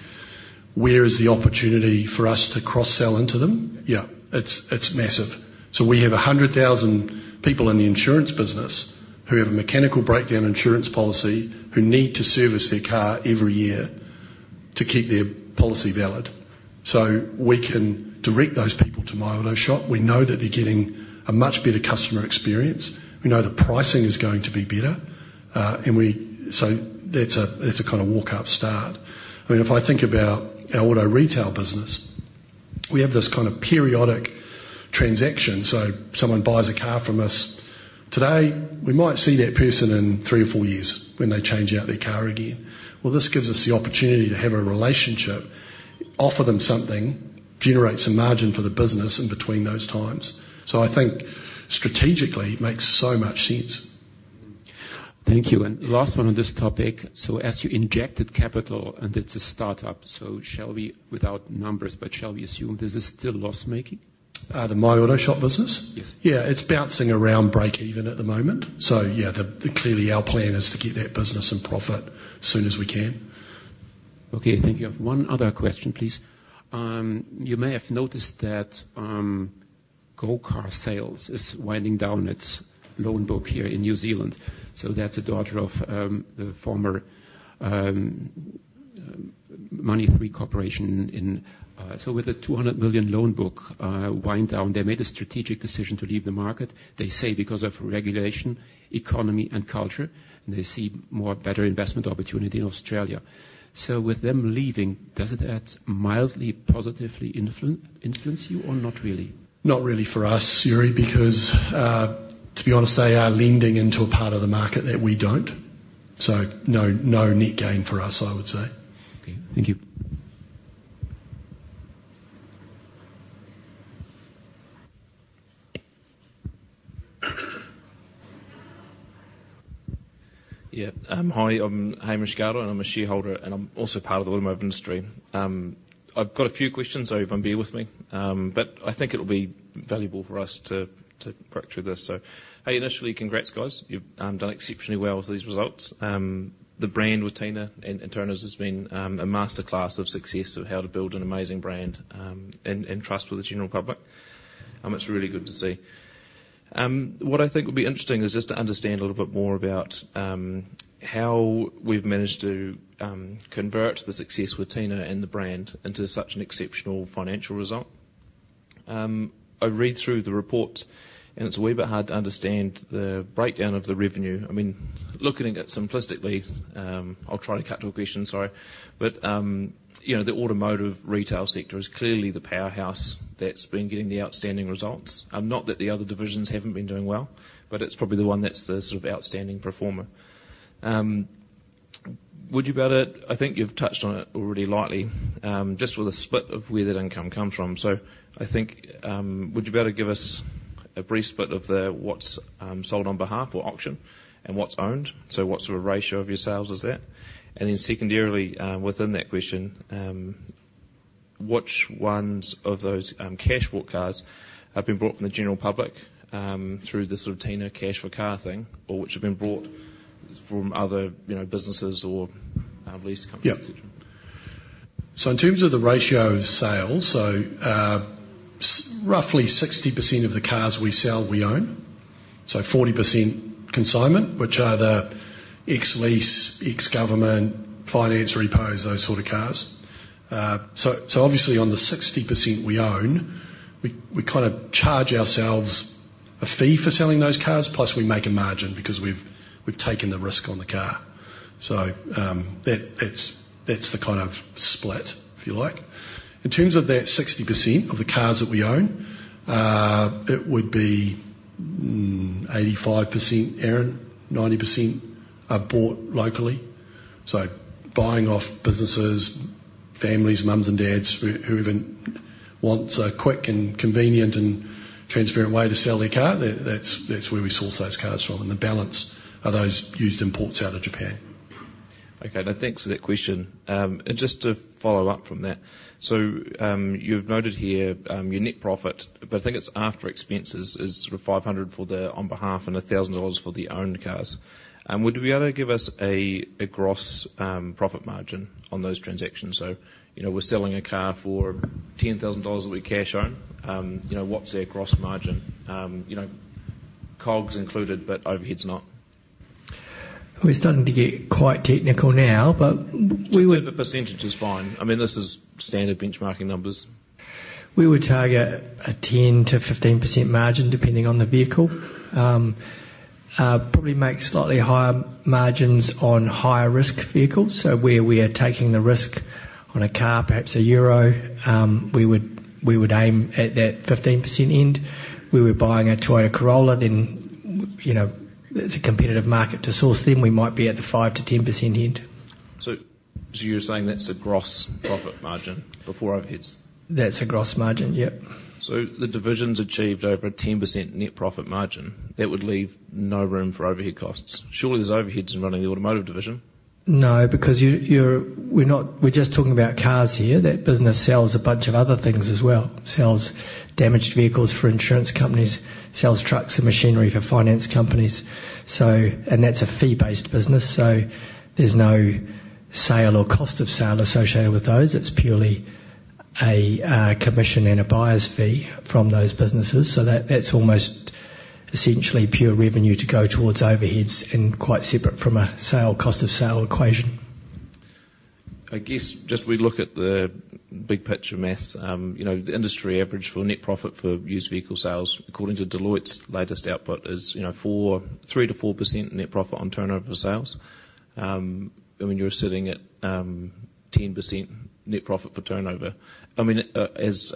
where is the opportunity for us to cross-sell into them? Yeah. Yeah, it's, it's massive. So we have a hundred thousand people in the insurance business who have a mechanical breakdown insurance policy, who need to service their car every year to keep their policy valid. So we can direct those people to My Auto Shop. We know that they're getting a much better customer experience. We know the pricing is going to be better, and so that's a, that's a kind of walk-up start. I mean, if I think about our auto retail business, we have this kind of periodic transaction. So someone buys a car from us today, we might see that person in three or four years when they change out their car again. Well, this gives us the opportunity to have a relationship, offer them something, generate some margin for the business in between those times. So I think strategically, it makes so much sense. Thank you, and last one on this topic. So as you injected capital, and it's a startup, so shall we, without numbers, but shall we assume this is still loss-making? The My Auto Shop business? Yes. Yeah, it's bouncing around break even at the moment. So yeah, clearly, our plan is to get that business in profit as soon as we can. Okay. Thank you. One other question, please. You may have noticed that Go Car Finance is winding down its loan book here in New Zealand. So that's a daughter of the former Money3 Corporation in... So with a 200 million loan book wind down, they made a strategic decision to leave the market. They say, because of regulation, economy, and culture, they see more better investment opportunity in Australia. So with them leaving, does it add mildly, positively influence, influence you or not really? Not really for us, Yuri, because, to be honest, they are lending into a part of the market that we don't. So no, no net gain for us, I would say. Okay. Thank you. Yeah. Hi, I'm Hamish Carter, and I'm a shareholder, and I'm also part of the auto industry. I've got a few questions, so bear with me. But I think it'll be valuable for us to work through this. So, hey, initially, congrats, guys. You've done exceptionally well with these results. The brand with Tina and Turners has been a masterclass of success of how to build an amazing brand and trust with the general public. It's really good to see. What I think would be interesting is just to understand a little bit more about how we've managed to convert the success with Tina and the brand into such an exceptional financial result. I read through the report, and it's a wee bit hard to understand the breakdown of the revenue. I mean, looking at it simplistically... I'll try and cut to a question, sorry, but you know, the automotive retail sector is clearly the powerhouse that's been getting the outstanding results, not that the other divisions haven't been doing well, but it's probably the one that's the sort of outstanding performer. Would you be able to... I think you've touched on it already lightly, just with a split of where that income comes from, so I think, would you be able to give us a brief split of the, what's, sold on behalf or auction and what's owned, so what sort of ratio of your sales is that? And then secondarily, within that question, which ones of those cash for cars have been bought from the general public, through the sort of Tina cash for car thing, or which have been bought from other, you know, businesses or lease companies? Yep. So in terms of the ratio of sales, roughly 60% of the cars we sell, we own. So 40% consignment, which are the ex-lease, ex-government, finance repos, those sort of cars. So obviously, on the 60% we own, we kind of charge ourselves a fee for selling those cars, plus we make a margin because we've taken the risk on the car. So, that's the kind of split, if you like. In terms of that 60% of the cars that we own, it would be 85%, Aaron, 90% are bought locally. So, buying off businesses, families, mums and dads, who, whoever wants a quick and convenient and transparent way to sell their car, that's where we source those cars from, and the balance are those used imports out of Japan. Okay, now, thanks for that question. And just to follow up from that, so, you've noted here, your net profit, but I think it's after expenses, is sort of 500 for the on behalf and 1,000 dollars for the owned cars. Would you be able to give us a, a gross, profit margin on those transactions? So, you know, we're selling a car for 10,000 dollars that we cash on, you know, what's our gross margin? You know, COGS included, but overheads not. We're starting to get quite technical now, but we would- Just the percentage is fine. I mean, this is standard benchmarking numbers. We would target a 10%-15% margin, depending on the vehicle. Probably make slightly higher margins on higher risk vehicles. So where we are taking the risk on a car, perhaps a Euro, we would aim at that 15% end. Where we're buying a Toyota Corolla, then, you know, it's a competitive market to source them, we might be at the 5%-10% end. So, you're saying that's a gross profit margin before overheads? That's a gross margin, yep. The divisions achieved over a 10% net profit margin. That would leave no room for overhead costs. Surely, there's overheads in running the automotive division? No, because you're not. We're just talking about cars here. That business sells a bunch of other things as well. Sells damaged vehicles for insurance companies, sells trucks and machinery for finance companies. So, and that's a fee-based business, so there's no sale or cost of sale associated with those. It's purely a commission and a buyer's fee from those businesses. So that's almost essentially pure revenue to go towards overheads and quite separate from a sale, cost of sale equation. I guess, just we look at the big picture math, you know, the industry average for net profit for used vehicle sales, according to Deloitte's latest output, is, you know, 3%-4% net profit on turnover sales. I mean, you're sitting at, 10% net profit for turnover. I mean, as,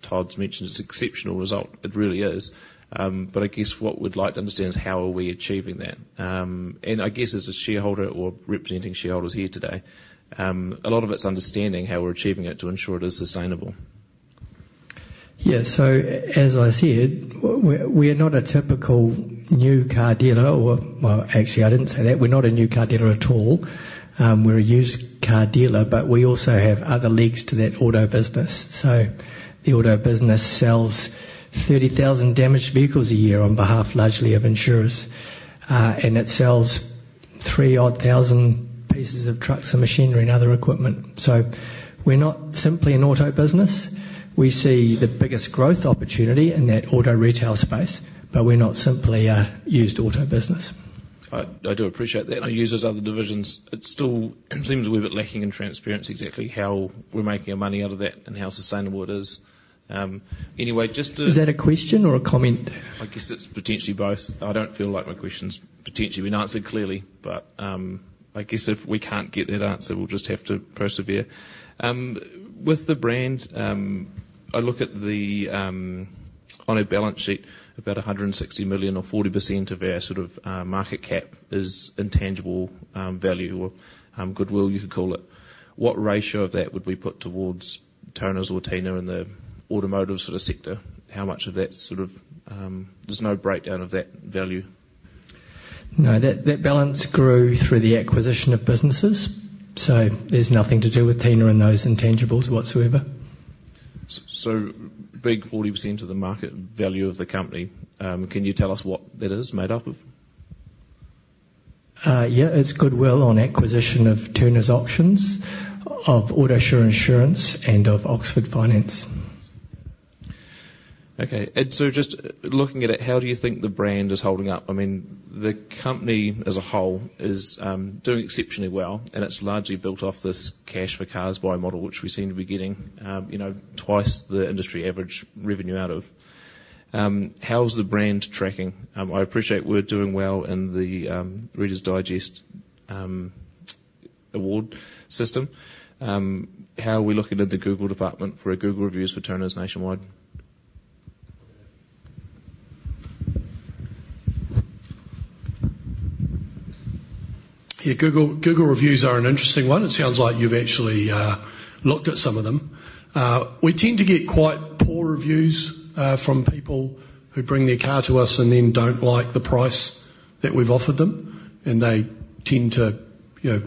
Todd's mentioned, it's exceptional result. It really is. But I guess what we'd like to understand is how are we achieving that? And I guess as a shareholder or representing shareholders here today, a lot of it's understanding how we're achieving it to ensure it is sustainable. Yeah, so as I said, we are not a typical new car dealer, or, well, actually, I didn't say that. We're not a new car dealer at all. We're a used car dealer, but we also have other legs to that auto business. So the auto business sells 30,000 damaged vehicles a year on behalf, largely, of insurers, and it sells 3,000-odd pieces of trucks and machinery and other equipment. So we're not simply an auto business. We see the biggest growth opportunity in that auto retail space, but we're not simply a used auto business. I do appreciate that, and I use those other divisions. It still seems a little bit lacking in transparency, exactly how we're making our money out of that and how sustainable it is. Anyway, just to- Is that a question or a comment? I guess it's potentially both. I don't feel like my question's potentially been answered clearly, but, I guess if we can't get that answer, we'll just have to persevere. With the brand, I look at the, on a balance sheet, about 160 million or 40% of our sort of market cap is intangible value, or goodwill, you could call it. What ratio of that would we put towards Turners or Tina in the automotive sort of sector? How much of that sort of... There's no breakdown of that value. No, that balance grew through the acquisition of businesses, so there's nothing to do with Tina and those intangibles whatsoever. So big 40% of the market value of the company, can you tell us what that is made up of? Yeah, it's goodwill on acquisition of Turners Auctions, of Autosure Insurance, and of Oxford Finance. Okay. And so just looking at it, how do you think the brand is holding up? I mean, the company as a whole is doing exceptionally well, and it's largely built off this cash for cars buy model, which we seem to be getting, you know, twice the industry average revenue out of. How's the brand tracking? I appreciate we're doing well in the Reader's Digest award system. How are we looking in the Google department for our Google Reviews for Turners nationwide? Yeah, Google, Google Reviews are an interesting one. It sounds like you've actually looked at some of them. We tend to get quite poor reviews from people who bring their car to us and then don't like the price that we've offered them, and they tend to, you know,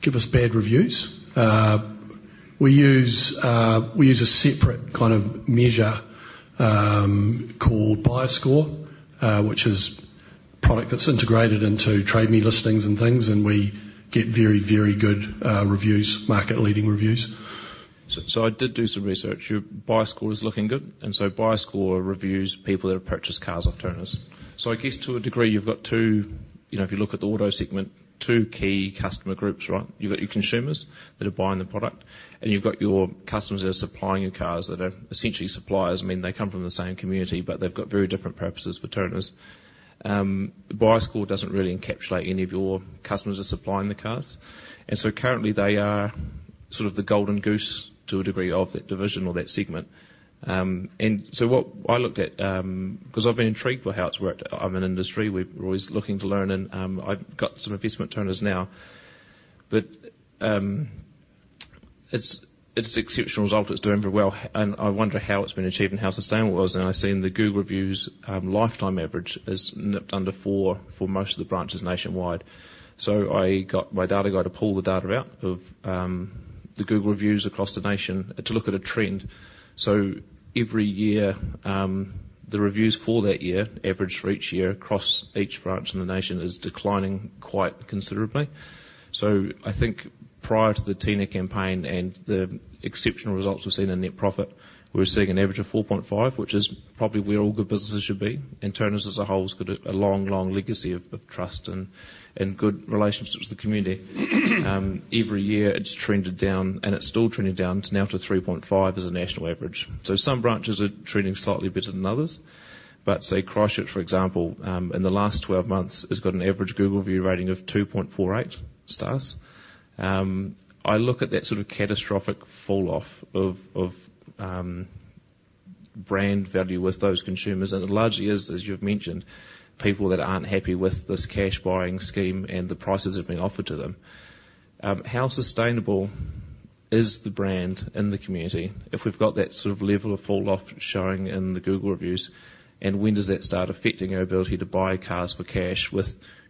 give us bad reviews. We use a separate kind of measure called BuyerScore, which is a product that's integrated into Trade Me listings and things, and we get very, very good reviews, market-leading reviews. I did do some research. Your BuyerScore is looking good, and so BuyerScore reviews people that have purchased cars off Turners. So I guess to a degree, you've got two, you know, if you look at the auto segment, two key customer groups, right? You've got your consumers that are buying the product, and you've got your customers that are supplying your cars, that are essentially suppliers. I mean, they come from the same community, but they've got very different purposes for Turners. The BuyerScore doesn't really encapsulate any of your customers that are supplying the cars, and so currently, they are sort of the golden goose to a degree of that division or that segment. And so what I looked at, 'cause I've been intrigued by how it's worked. I'm in industry, we're always looking to learn and, I've got some investment at Turners now, but, it's exceptional result, it's doing very well, and I wonder how it's been achieved and how sustainable it was, and I've seen the Google Reviews, lifetime average is nipped under four for most of the branches nationwide, so I got my data guy to pull the data out of, the Google Reviews across the nation to look at a trend, so every year, the reviews for that year, average for each year across each branch in the nation, is declining quite considerably, so I think prior to the Tina campaign and the exceptional results we've seen in net profit, we were seeing an average of four point five, which is probably where all good businesses should be. Turners as a whole has got a long, long legacy of trust and good relationships with the community. Every year, it's trended down, and it's still trending down to now to 3.5 as a national average. So some branches are trending slightly better than others, but say, Christchurch, for example, in the last 12 months, has got an average Google review rating of 2.48 stars. I look at that sort of catastrophic fall off of brand value with those consumers, and it largely is, as you've mentioned, people that aren't happy with this cash buying scheme and the prices that are being offered to them. How sustainable is the brand in the community if we've got that sort of level of fall off showing in the Google reviews, and when does that start affecting our ability to buy cars for cash with, you know, above average,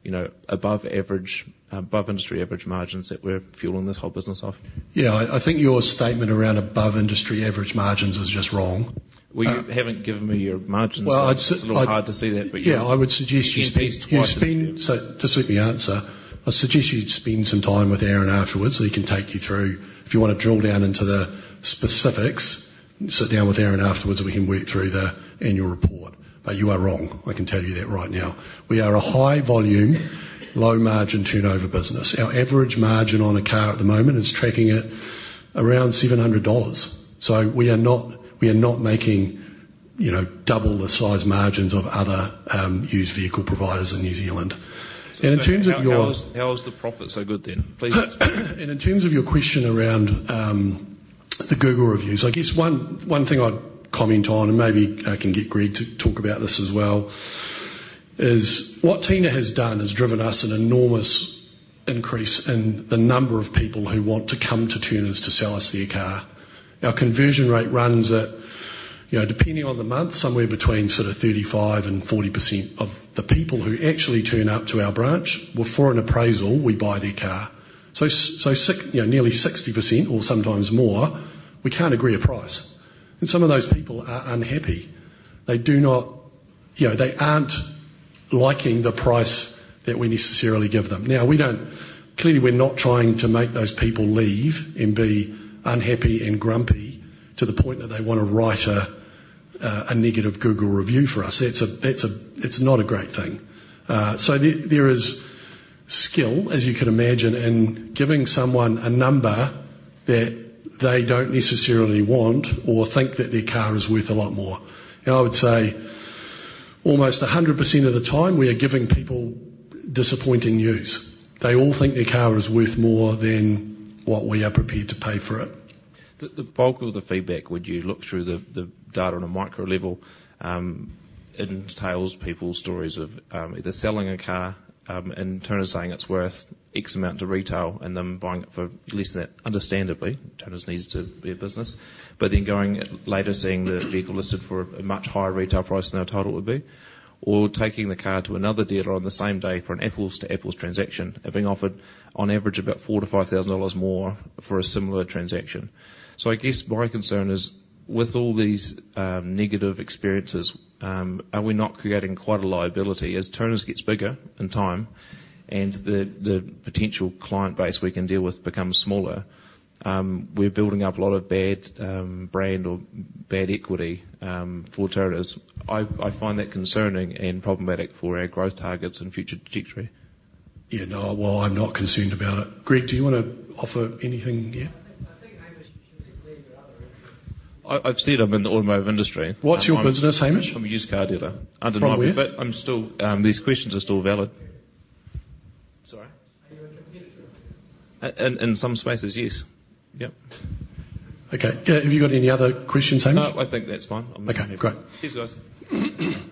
above industry average margins that we're fueling this whole business off? Yeah, I think your statement around above industry average margins is just wrong. Well, you haven't given me your margins- I'd say- So it's a little hard to see that, but yeah. I would suggest you- You've been twice. So just let me answer. I suggest you spend some time with Aaron afterwards, so he can take you through. If you want to drill down into the specifics, sit down with Aaron afterwards, and we can work through the annual report. But you are wrong, I can tell you that right now. We are a high volume, low margin turnover business. Our average margin on a car at the moment is tracking at around 700 dollars. So we are not, we are not making, you know, double the size margins of other used vehicle providers in New Zealand. And in terms of your- How is the profit so good then? Please explain. In terms of your question around the Google reviews, I guess one thing I'd comment on, and maybe I can get Greg to talk about this as well, is what Tina has done is driven us an enormous increase in the number of people who want to come to Turners to sell us their car. Our conversion rate runs at, you know, depending on the month, somewhere between sort of 35% and 40% of the people who actually turn up to our branch, well, for an appraisal, we buy their car. So nearly 60% or sometimes more, we can't agree a price, and some of those people are unhappy. They do not. You know, they aren't liking the price that we necessarily give them. Clearly, we're not trying to make those people leave and be unhappy and grumpy to the point that they want to write a negative Google review for us. It's not a great thing. So there is skill, as you can imagine, in giving someone a number that they don't necessarily want or think that their car is worth a lot more. And I would say almost 100% of the time, we are giving people disappointing news. They all think their car is worth more than what we are prepared to pay for it. The bulk of the feedback, would you look through the data on a micro level? It entails people's stories of either selling a car and Turners saying, "It's worth X amount to retail," and then buying it for less than that. Understandably, Turners needs to be a business, but then going later, seeing the vehicle listed for a much higher retail price than our total would be, or taking the car to another dealer on the same day for an apples to apples transaction, and being offered on average about 4,000-5,000 dollars more for a similar transaction. So I guess my concern is, with all these negative experiences, are we not creating quite a liability? As Turners gets bigger in time and the potential client base we can deal with becomes smaller, we're building up a lot of bad, brand or bad equity, for Turners. I find that concerning and problematic for our growth targets and future trajectory. Yeah, no, well, I'm not concerned about it. Greg, do you wanna offer anything here?... I've said I'm in the automotive industry. What's your business, Hamish? I'm a used car dealer. From where? I'm still, these questions are still valid. Sorry? Are you a competitor? In some spaces, yes. Yep. Okay. Have you got any other questions, Hamish? No, I think that's fine. I'm- Okay, great. Cheers, guys.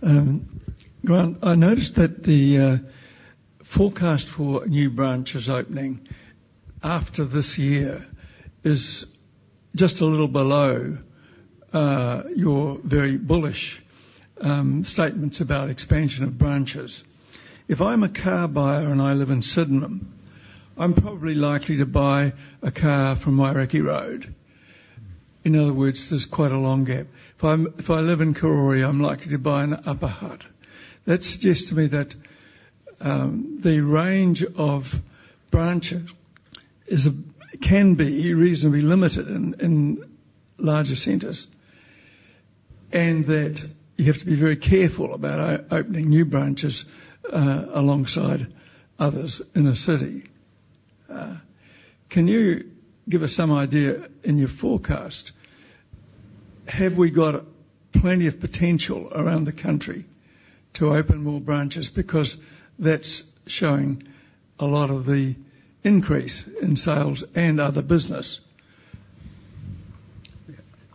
Thank you. Oh, there's a question at the front. Yes, I'm getting there. Thank you. Thanks. Grant, I noticed that the forecast for new branches opening after this year is just a little below your very bullish statements about expansion of branches. If I'm a car buyer, and I live in Sydenham, I'm probably likely to buy a car from Wairakei Road. In other words, there's quite a long gap. If I live in Karori, I'm likely to buy in Upper Hutt. That suggests to me that the range of branches can be reasonably limited in larger centers, and that you have to be very careful about opening new branches alongside others in a city. Can you give us some idea in your forecast, have we got plenty of potential around the country to open more branches? Because that's showing a lot of the increase in sales and other business.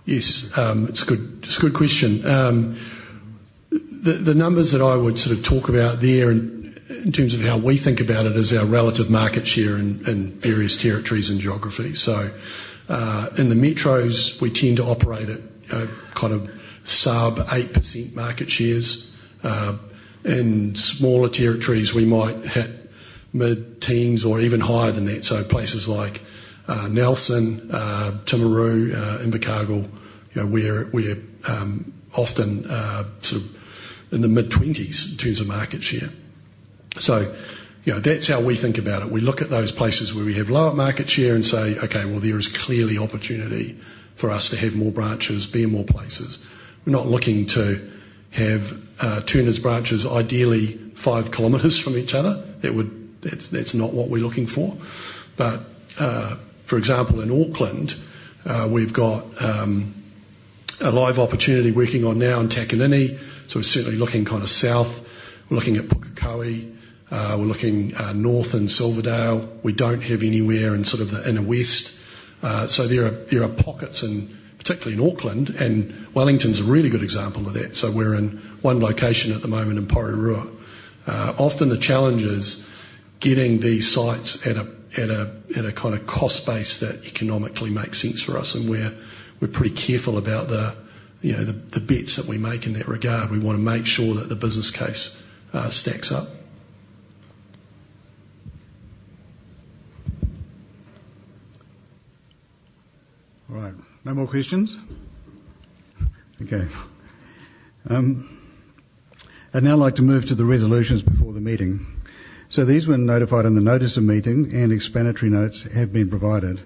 Yes, it's a good question. The numbers that I would sort of talk about there in terms of how we think about it is our relative market share in various territories and geographies. So, in the metros, we tend to operate at kind of sub 8% market shares. In smaller territories, we might hit mid-teens or even higher than that. So places like Nelson, Timaru, Invercargill, you know, we're often sort of in the mid-twenties in terms of market share. So, you know, that's how we think about it. We look at those places where we have lower market share and say, "Okay, well, there is clearly opportunity for us to have more branches, be in more places." We're not looking to have Turners branches ideally 5 km from each other. That's not what we're looking for, but for example, in Auckland, we've got a live opportunity working on now in Takanini, so we're certainly looking kind of south. We're looking at Pukekohe. We're looking north in Silverdale. We don't have anywhere in sort of the inner west, so there are pockets in, particularly in Auckland, and Wellington's a really good example of that, so we're in one location at the moment in Porirua. Often the challenge is getting these sites at a kind of cost base that economically makes sense for us, and we're pretty careful about the, you know, the bets that we make in that regard. We want to make sure that the business case stacks up. All right. No more questions? Okay. I'd now like to move to the resolutions before the meeting. So these were notified in the notice of meeting, and explanatory notes have been provided.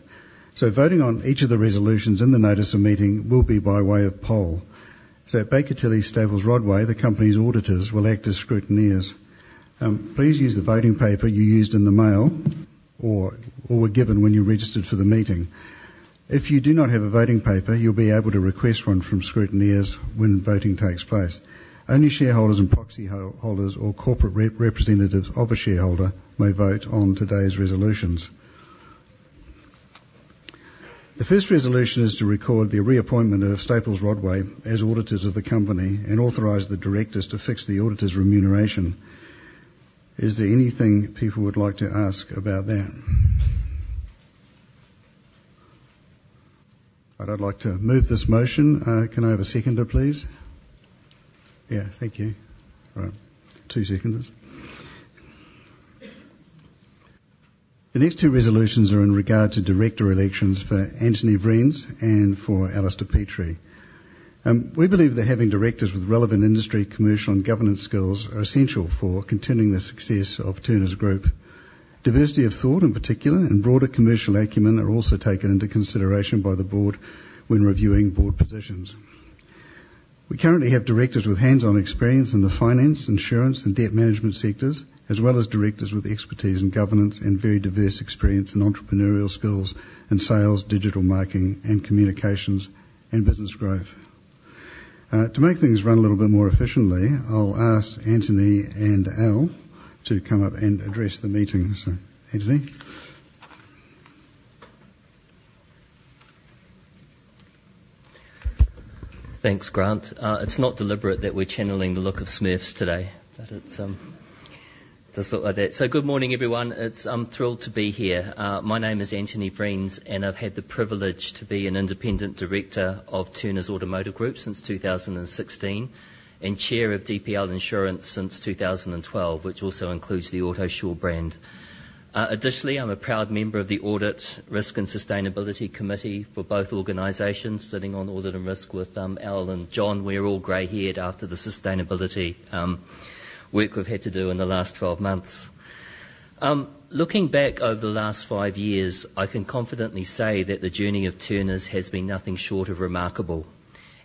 So voting on each of the resolutions in the notice of meeting will be by way of poll. So, at Baker Tilly Staples Rodway, the company's auditors will act as scrutineers. Please use the voting paper you used in the mail or were given when you registered for the meeting. If you do not have a voting paper, you'll be able to request one from scrutineers when voting takes place. Only shareholders and proxy holders or corporate representatives of a shareholder may vote on today's resolutions. The first resolution is to record the reappointment of Staples Rodway as auditors of the company and authorize the directors to fix the auditors' remuneration. Is there anything people would like to ask about that? I'd like to move this motion. Can I have a seconder, please? Thank you. Two seconders. The next two resolutions are in regard to director elections for Antony Vriens and for Alastair Petrie. We believe that having directors with relevant industry, commercial, and governance skills are essential for continuing the success of Turners Group. Diversity of thought, in particular, and broader commercial acumen are also taken into consideration by the board when reviewing board positions. We currently have directors with hands-on experience in the finance, insurance, and debt management sectors, as well as directors with expertise in governance and very diverse experience in entrepreneurial skills and sales, digital marketing, and communications, and business growth. To make things run a little bit more efficiently, I'll ask Antony and Al to come up and address the meeting. So, Antony? Thanks, Grant. It's not deliberate that we're channeling the look of Smurfs today, but it's just sort like that. So good morning, everyone. I'm thrilled to be here. My name is Antony Vriens, and I've had the privilege to be an independent director of Turners Automotive Group since 2016, and chair of DPL Insurance since 2012, which also includes the Autosure brand. Additionally, I'm a proud member of the Audit, Risk, and Sustainability Committee for both organizations, sitting on Audit and Risk with Al and John. We're all gray-haired after the sustainability work we've had to do in the last 12 months. Looking back over the last 5 years, I can confidently say that the journey of Turners has been nothing short of remarkable,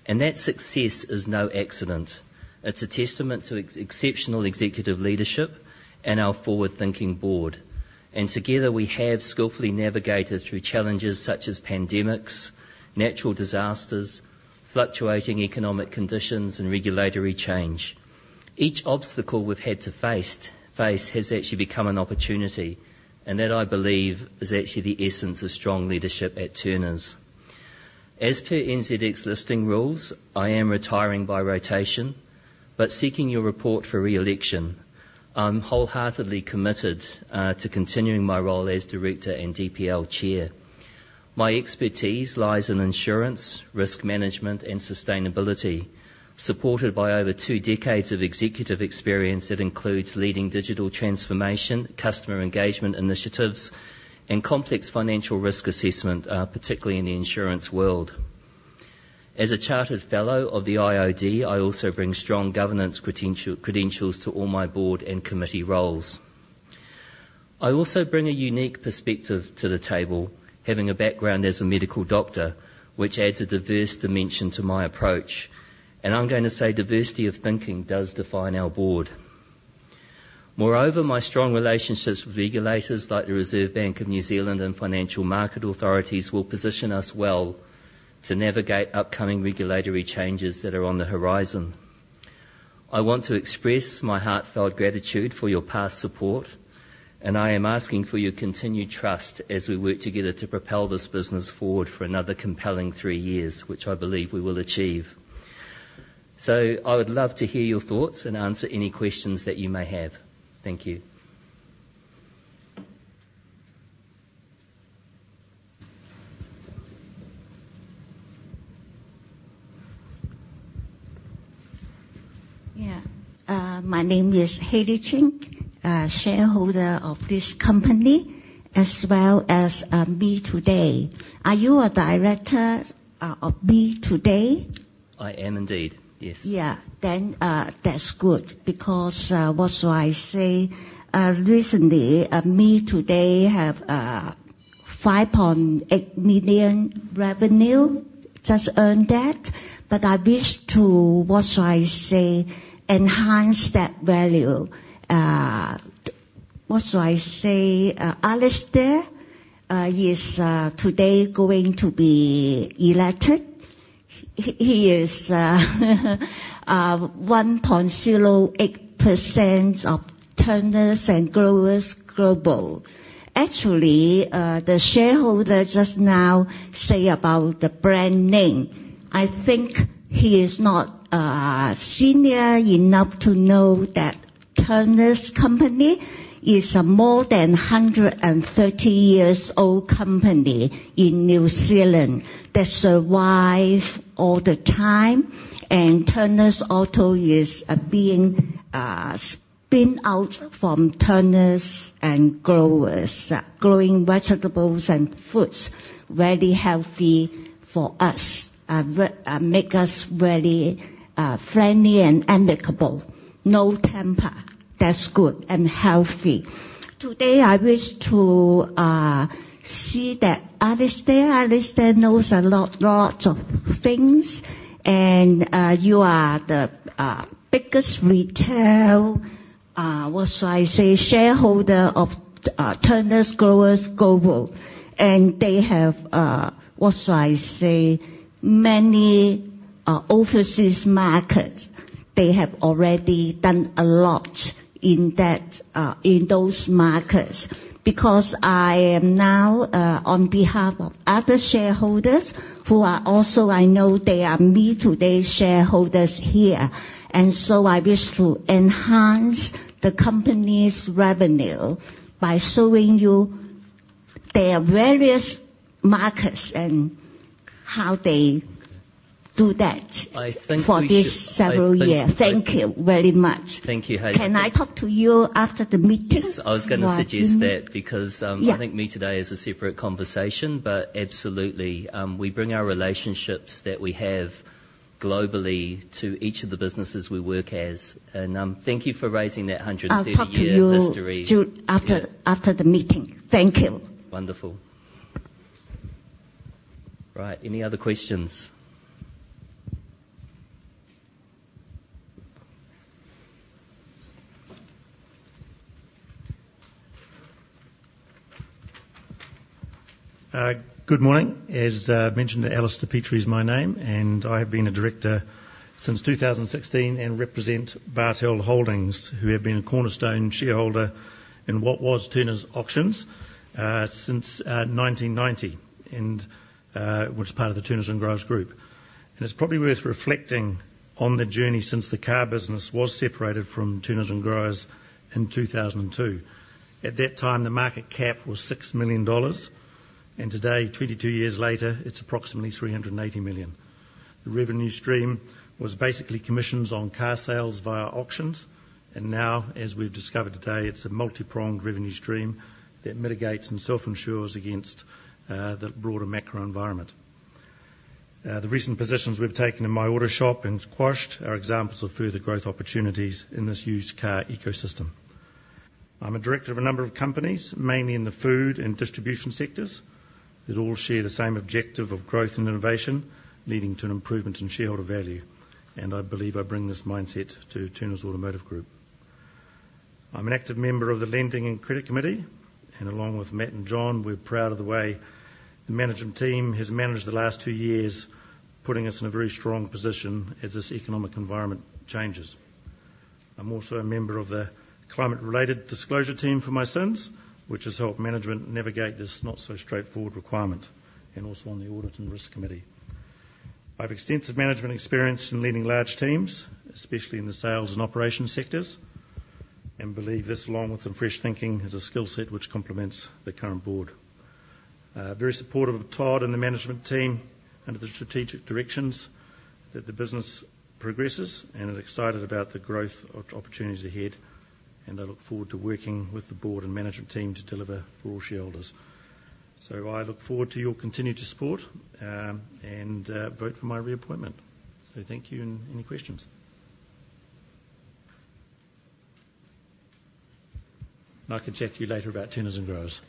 and that success is no accident. It's a testament to exceptional executive leadership and our forward-thinking board, and together, we have skillfully navigated through challenges such as pandemics, natural disasters, fluctuating economic conditions, and regulatory change. Each obstacle we've had to face has actually become an opportunity, and that, I believe, is actually the essence of strong leadership at Turners. As per NZX listing rules, I am retiring by rotation, but seeking your support for re-election. I'm wholeheartedly committed to continuing my role as director and DPL chair. My expertise lies in insurance, risk management, and sustainability, supported by over two decades of executive experience that includes leading digital transformation, customer engagement initiatives, and complex financial risk assessment, particularly in the insurance world. As a chartered fellow of the IoD, I also bring strong governance credentials to all my board and committee roles. I also bring a unique perspective to the table, having a background as a medical doctor, which adds a diverse dimension to my approach, and I'm going to say diversity of thinking does define our board. Moreover, my strong relationships with regulators, like the Reserve Bank of New Zealand and financial market authorities, will position us well to navigate upcoming regulatory changes that are on the horizon. I want to express my heartfelt gratitude for your past support, and I am asking for your continued trust as we work together to propel this business forward for another compelling three years, which I believe we will achieve. So I would love to hear your thoughts and answer any questions that you may have. Thank you. Yeah. My name is Haley Ching, shareholder of this company, as well as Me Today. Are you a director of Me Today? I am indeed, yes. Yeah. Then, that's good, because, what should I say? Recently, Me Today have 5.8 million revenue, just earned that. But I wish to, what should I say, enhance that value. What should I say? Alastair, he is today going to be elected. He is 1.08% of Turners and Growers. Actually, the shareholder just now say about the brand name. I think he is not senior enough to know that Turners company is a more than 130 years old company in New Zealand, that survive all the time, and Turners Auto is being spin out from Turners and Growers. Growing vegetables and fruits, very healthy for us, remake us very friendly and amicable. No temper, that's good and healthy. Today, I wish to see that Alastair knows a lot of things, and you are the biggest retail shareholder of Turners and Growers. They have many overseas markets. They have already done a lot in those markets. Because I am now on behalf of other shareholders, who are also Me Today shareholders here, and so I wish to enhance the company's revenue by showing you their various markets and how they do that- I think we should- for this several years. Thank you very much. Thank you, Haley. Can I talk to you after the meeting? I was gonna suggest that, because, Yeah. I think Me Today is a separate conversation, but absolutely. We bring our relationships that we have globally to each of the businesses we work as. And, thank you for raising that hundred and thirty-year history. I'll talk to you too, after the meeting. Thank you. Wonderful. Right, any other questions? Good morning. As mentioned, Alistair Petrie is my name, and I have been a director since 2016 and represent Bartel Holdings, who have been a cornerstone shareholder in what was Turners Auctions since 1990, and was part of the Turners and Growers group. It's probably worth reflecting on the journey since the car business was separated from Turners and Growers in 2002. At that time, the market cap was 6 million dollars, and today, 22 years later, it's approximately 380 million. The revenue stream was basically commissions on car sales via auctions, and now, as we've discovered today, it's a multi-pronged revenue stream that mitigates and self-insures against the broader macro environment. The recent positions we've taken in My Auto Shop and Quashed are examples of further growth opportunities in this used car ecosystem. I'm a director of a number of companies, mainly in the food and distribution sectors, that all share the same objective of growth and innovation, leading to an improvement in shareholder value, and I believe I bring this mindset to Turners Automotive Group. I'm an active member of the Lending and Credit Committee, and along with Matt and John, we're proud of the way the management team has managed the last two years, putting us in a very strong position as this economic environment changes. I'm also a member of the Climate-Related Disclosure team for NZ Inc, which has helped management navigate this not-so-straightforward requirement, and also on the Audit and Risk Committee. I have extensive management experience in leading large teams, especially in the sales and operations sectors, and believe this, along with some fresh thinking, is a skill set which complements the current board. Very supportive of Todd and the management team under the strategic directions that the business progresses, and I'm excited about the growth opportunities ahead, and I look forward to working with the board and management team to deliver for all shareholders. So I look forward to your continued support, and vote for my reappointment. So thank you, and any questions? And I can chat to you later about Turners and Growers.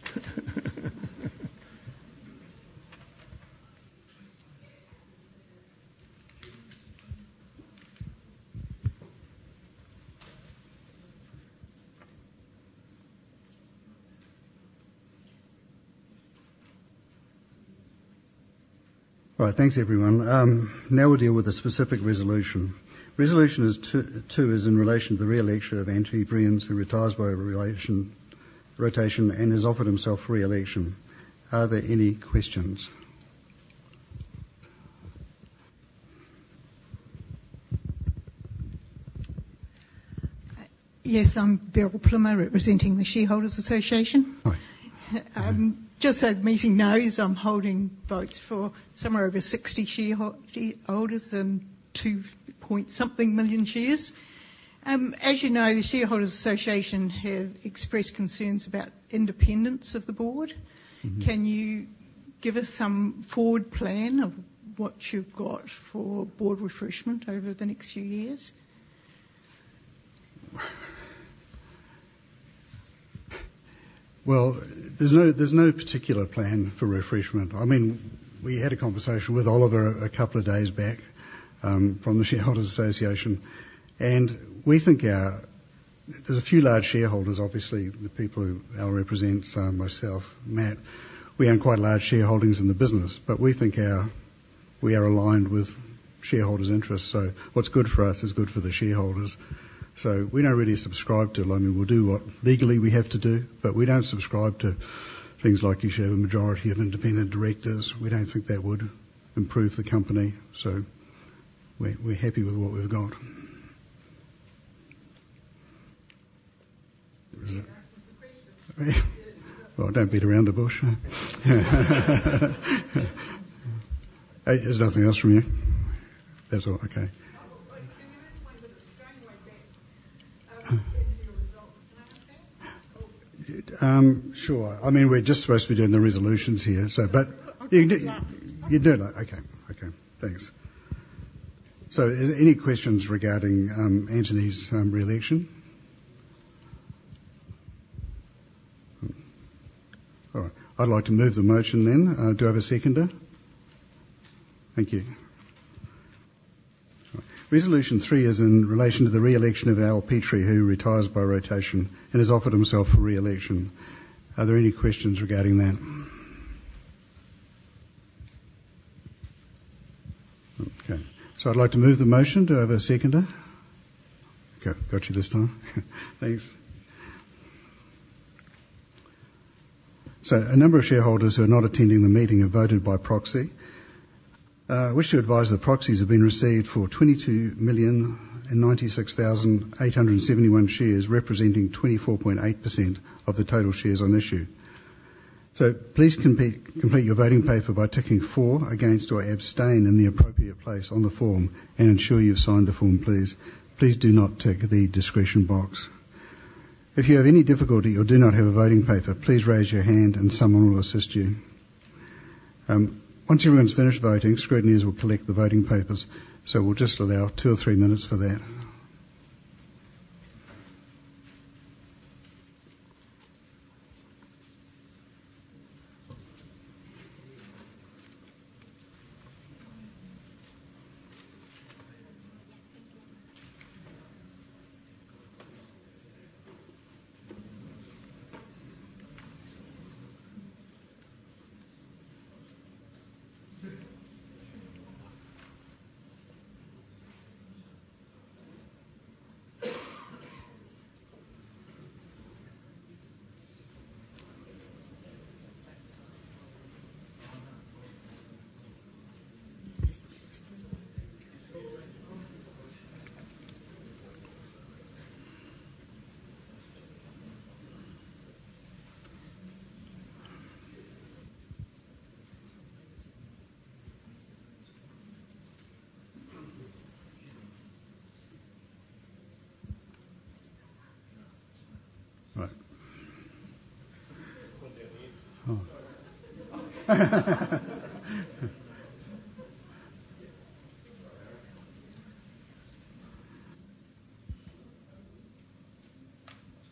All right, thanks, everyone. Now we'll deal with a specific resolution. Resolution is two, two is in relation to the re-election of Antony Vriens, who retires by rotation and has offered himself for re-election. Are there any questions? Yes, I'm Beryl Plummer, representing the Shareholders Association. Hi. Just so the meeting knows, I'm holding votes for somewhere over sixty shareholders and two-point-something million shares. As you know, the Shareholders Association have expressed concerns about independence of the board. Mm-hmm. Can you give us some forward plan of what you've got for board refreshment over the next few years? There's no particular plan for refreshment. I mean, we had a conversation with Oliver a couple of days back from the Shareholders Association, and we think our... There's a few large shareholders, obviously, the people who Al represents, myself, Matt. We own quite large shareholdings in the business, but we think our we are aligned with shareholders' interests, so what's good for us is good for the shareholders. So we don't really subscribe to... I mean, we'll do what legally we have to do, but we don't subscribe to things like you should have a majority of independent directors. We don't think that would improve the company, so we're happy with what we've got. That's our consultation. Don't beat around the bush. There's nothing else from you? That's all. Okay. Oh, oh, can you explain the going back into your results? Can I ask that? Sure. I mean, we're just supposed to be doing the resolutions here, so, but- I'll do that. You do that. Okay. Okay, thanks. So any questions regarding Antony's re-election? All right, I'd like to move the motion then. Do I have a seconder? Thank you. Resolution three is in relation to the re-election of Al Petrie, who retires by rotation and has offered himself for re-election. Are there any questions regarding that? Okay, so I'd like to move the motion. Do I have a seconder? Okay, got you this time. Thanks. So a number of shareholders who are not attending the meeting have voted by proxy. I wish to advise that proxies have been received for 22 million and 96,871 shares, representing 24.8% of the total shares on issue. So please complete your voting paper by ticking for, against, or abstain in the appropriate place on the form and ensure you've signed the form, please. Please do not tick the discretion box. If you have any difficulty or do not have a voting paper, please raise your hand and someone will assist you. Once everyone's finished voting, scrutineers will collect the voting papers, so we'll just allow two or three minutes for that. Right.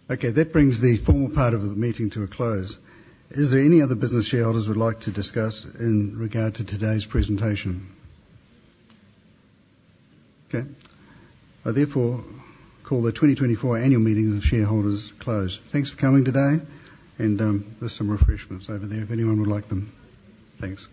Okay, that brings the formal part of the meeting to a close. Is there any other business shareholders would like to discuss in regard to today's presentation? Okay, I therefore call the 2024 annual meeting of shareholders closed. Thanks for coming today, and there's some refreshments over there if anyone would like them. Thanks.